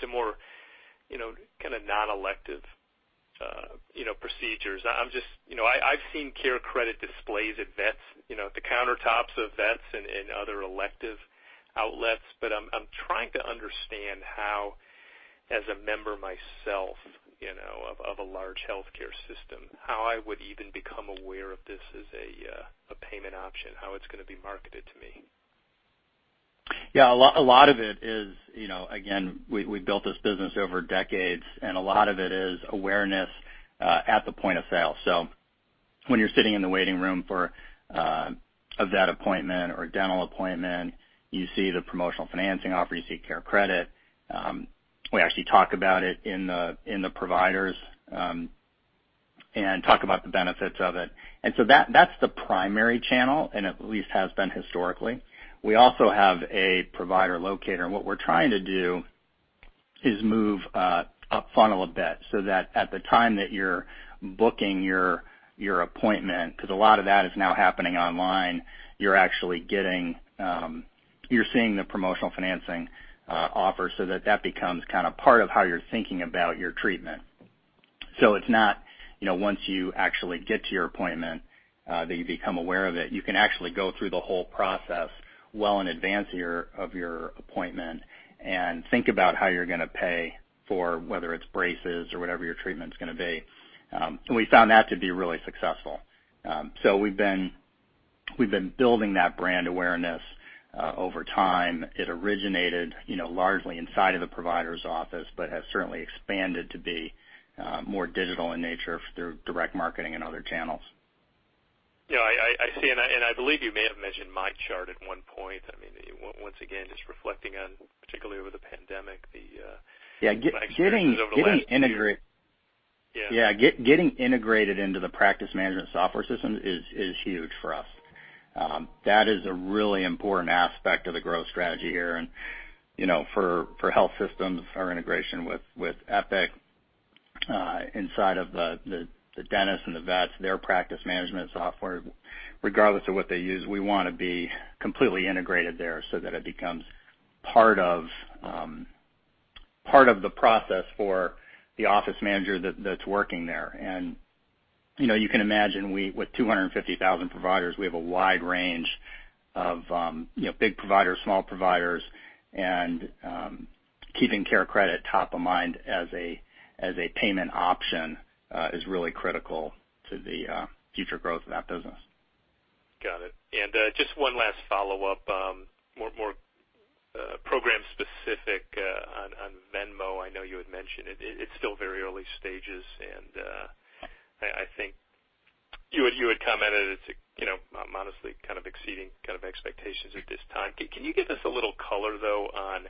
Speaker 13: to more kind of non-elective procedures. I've seen CareCredit displays at vets, at the countertops of vets and other elective outlets. I'm trying to understand how, as a member myself of a large healthcare system, how I would even become aware of this as a payment option, how it's going to be marketed to me.
Speaker 3: A lot of it is, again, we built this business over decades, and a lot of it is awareness at the point of sale. When you're sitting in the waiting room of that appointment or a dental appointment, you see the promotional financing offer. You see CareCredit. We actually talk about it in the providers and talk about the benefits of it. That's the primary channel, and at least has been historically. We also have a provider locator, and what we're trying to do is move up funnel a bit so that at the time that you're booking your appointment, because a lot of that is now happening online, you're seeing the promotional financing offer so that that becomes kind of part of how you're thinking about your treatment. It's not once you actually get to your appointment that you become aware of it. You can actually go through the whole process well in advance of your appointment and think about how you're going to pay for whether it's braces or whatever your treatment's going to be. We found that to be really successful. We've been building that brand awareness over time. It originated largely inside of the provider's office, but has certainly expanded to be more digital in nature through direct marketing and other channels.
Speaker 13: Yeah, I see. I believe you may have mentioned MyChart at one point. I mean, once again, just reflecting on particularly over the pandemic.
Speaker 3: Yeah.
Speaker 13: My experiences over the last few.
Speaker 3: Getting integrated
Speaker 13: Yeah
Speaker 3: getting integrated into the practice management software system is huge for us. That is a really important aspect of the growth strategy here. For health systems, our integration with Epic inside of the dentist and the vets, their practice management software, regardless of what they use, we want to be completely integrated there so that it becomes part of the process for the office manager that's working there. You can imagine with 250,000 providers, we have a wide range of big providers, small providers, and keeping CareCredit top of mind as a payment option is really critical to the future growth of that business.
Speaker 13: Got it. Just one last follow-up, more program specific on Venmo. I know you had mentioned it. It's still very early stages, and I think you had commented it's honestly kind of exceeding kind of expectations at this time. Can you give us a little color, though, on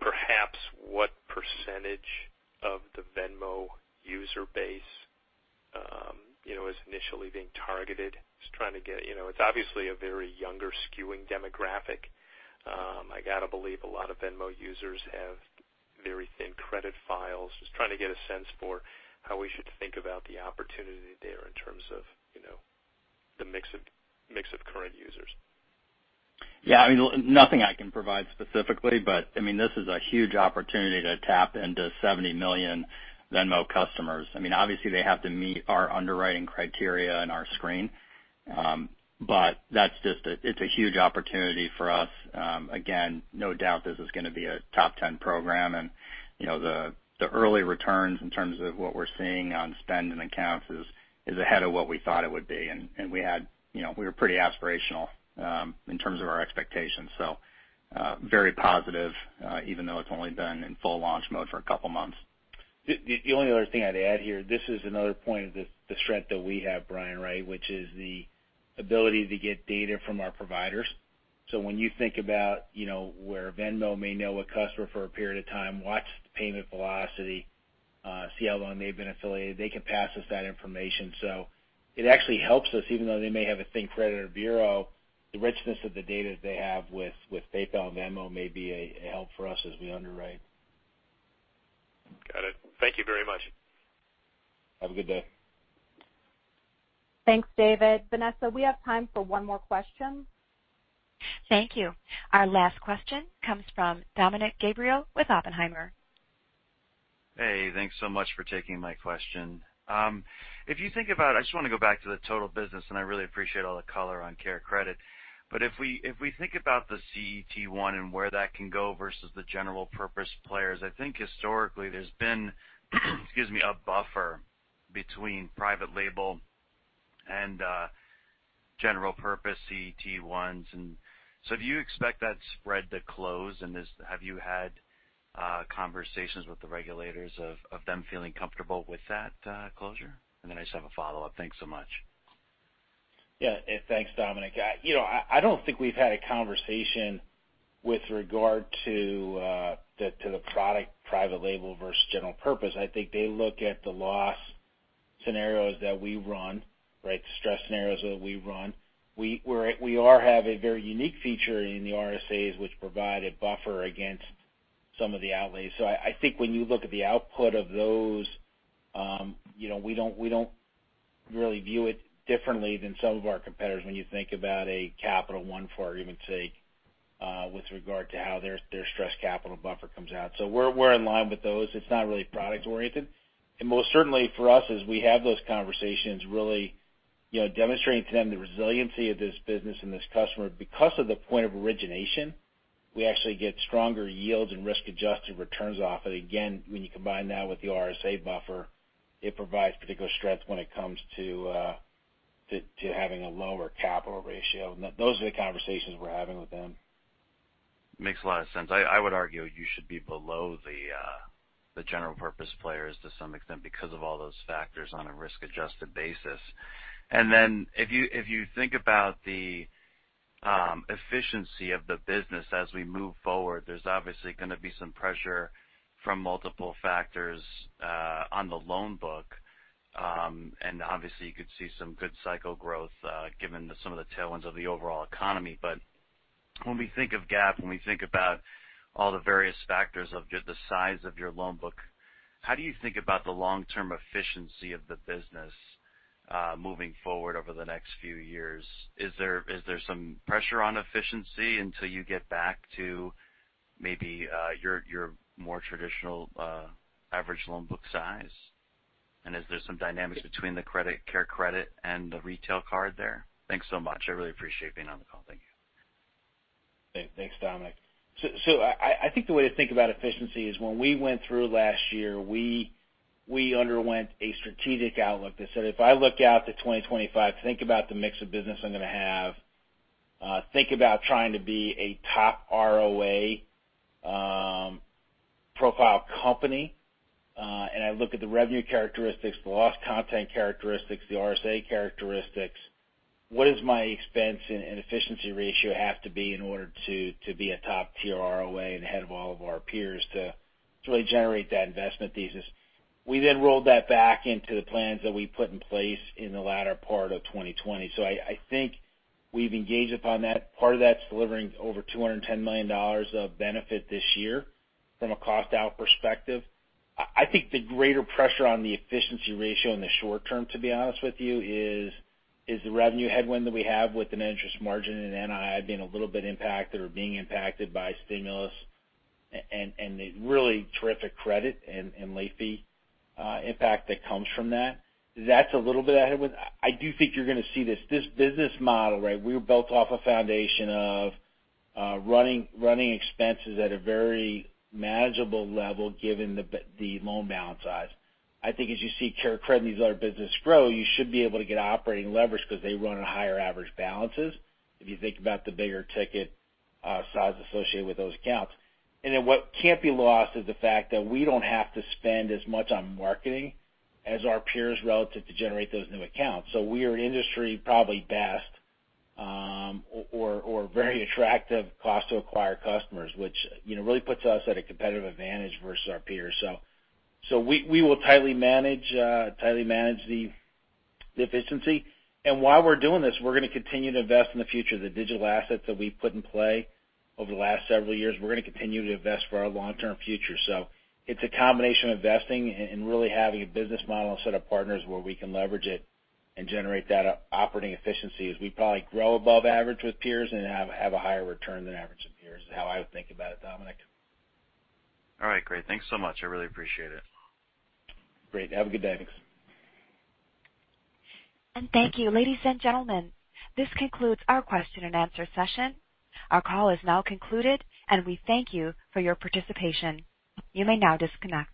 Speaker 13: perhaps what percentage of the Venmo user base is initially being targeted? It's obviously a very younger skewing demographic. I got to believe a lot of Venmo users have very thin credit files. Just trying to get a sense for how we should think about the opportunity there in terms of the mix of current users.
Speaker 3: Yeah. Nothing I can provide specifically, this is a huge opportunity to tap into 70 million Venmo customers. Obviously, they have to meet our underwriting criteria and our screen. It's a huge opportunity for us. Again, no doubt this is going to be a top 10 program. The early returns in terms of what we're seeing on spend and accounts is ahead of what we thought it would be. We were pretty aspirational in terms of our expectations. Very positive even though it's only been in full launch mode for a couple of months.
Speaker 4: The only other thing I'd add here, this is another point of the strength that we have, Brian, which is the ability to get data from our providers. When you think about where Venmo may know a customer for a period of time, watch the payment velocity, see how long they've been affiliated, they can pass us that information. It actually helps us, even though they may have a thin credit bureau, the richness of the data that they have with PayPal and Venmo may be a help for us as we underwrite.
Speaker 13: Got it. Thank you very much.
Speaker 4: Have a good day.
Speaker 2: Thanks, David. Vanessa, we have time for one more question.
Speaker 1: Thank you. Our last question comes from Dominick Gabriele with Oppenheimer.
Speaker 14: Hey, thanks so much for taking my question. I just want to go back to the total business, and I really appreciate all the color on CareCredit. If we think about the CET1 and where that can go versus the general purpose players, I think historically there's been a buffer between private label and general purpose CET1s. Do you expect that spread to close, and have you had conversations with the regulators of them feeling comfortable with that closure? I just have a follow-up. Thanks so much.
Speaker 4: Yeah. Thanks, Dominick. I don't think we've had a conversation with regard to the product private label versus general purpose. I think they look at the loss scenarios that we run, the stress scenarios that we run. We all have a very unique feature in the RSAs, which provide a buffer against some of the outlays. I think when you look at the output of those, we don't really view it differently than some of our competitors when you think about a Capital One, for argument's sake, with regard to how their stress capital buffer comes out. We're in line with those. It's not really product oriented. Most certainly for us as we have those conversations, really demonstrating to them the resiliency of this business and this customer. Because of the point of origination, we actually get stronger yields and risk-adjusted returns off it. When you combine that with the RSA buffer, it provides particular strength when it comes to having a lower capital ratio. Those are the conversations we're having with them.
Speaker 14: Makes a lot of sense. I would argue you should be below the general purpose players to some extent because of all those factors on a risk-adjusted basis. If you think about the efficiency of the business as we move forward, there's obviously going to be some pressure from multiple factors on the loan book. Obviously, you could see some good cycle growth given some of the tailwinds of the overall economy. When we think of GAAP, when we think about all the various factors of just the size of your loan book, how do you think about the long-term efficiency of the business moving forward over the next few years? Is there some pressure on efficiency until you get back to maybe your more traditional average loan book size? Is there some dynamics between the CareCredit and the Retail Card there? Thanks so much. I really appreciate being on the call. Thank you.
Speaker 4: Thanks, Dominick. I think the way to think about efficiency is when we went through last year, we underwent a strategic outlook that said, if I look out to 2025, think about the mix of business I'm going to have, think about trying to be a top ROA profile company, and I look at the revenue characteristics, the loss content characteristics, the RSA characteristics. What does my expense and efficiency ratio have to be in order to be a top tier ROA and ahead of all of our peers to really generate that investment thesis? We rolled that back into the plans that we put in place in the latter part of 2020. I think we've engaged upon that. Part of that's delivering over $210 million of benefit this year from a cost-out perspective. I think the greater pressure on the efficiency ratio in the short term, to be honest with you, is the revenue headwind that we have with the net interest margin and NII being a little bit impacted or being impacted by stimulus, and the really terrific credit and late fee impact that comes from that. That's a little bit of headwind. I do think you're going to see this business model. We were built off a foundation of running expenses at a very manageable level given the loan balance size. I think as you see CareCredit and these other businesses grow, you should be able to get operating leverage because they run at higher average balances. If you think about the bigger ticket size associated with those accounts. What can't be lost is the fact that we don't have to spend as much on marketing as our peers relative to generate those new accounts. We are industry probably best or very attractive cost to acquire customers, which really puts us at a competitive advantage versus our peers. We will tightly manage the efficiency. While we're doing this, we're going to continue to invest in the future. The digital assets that we've put in play over the last several years, we're going to continue to invest for our long-term future. It's a combination of investing and really having a business model and set of partners where we can leverage it and generate that operating efficiency as we probably grow above average with peers and have a higher return than average with peers is how I would think about it, Dominick.
Speaker 14: All right, great. Thanks so much. I really appreciate it.
Speaker 4: Great. Have a good day.
Speaker 1: Thank you. Ladies and gentlemen, this concludes our question and answer session. Our call is now concluded, and we thank you for your participation. You may now disconnect.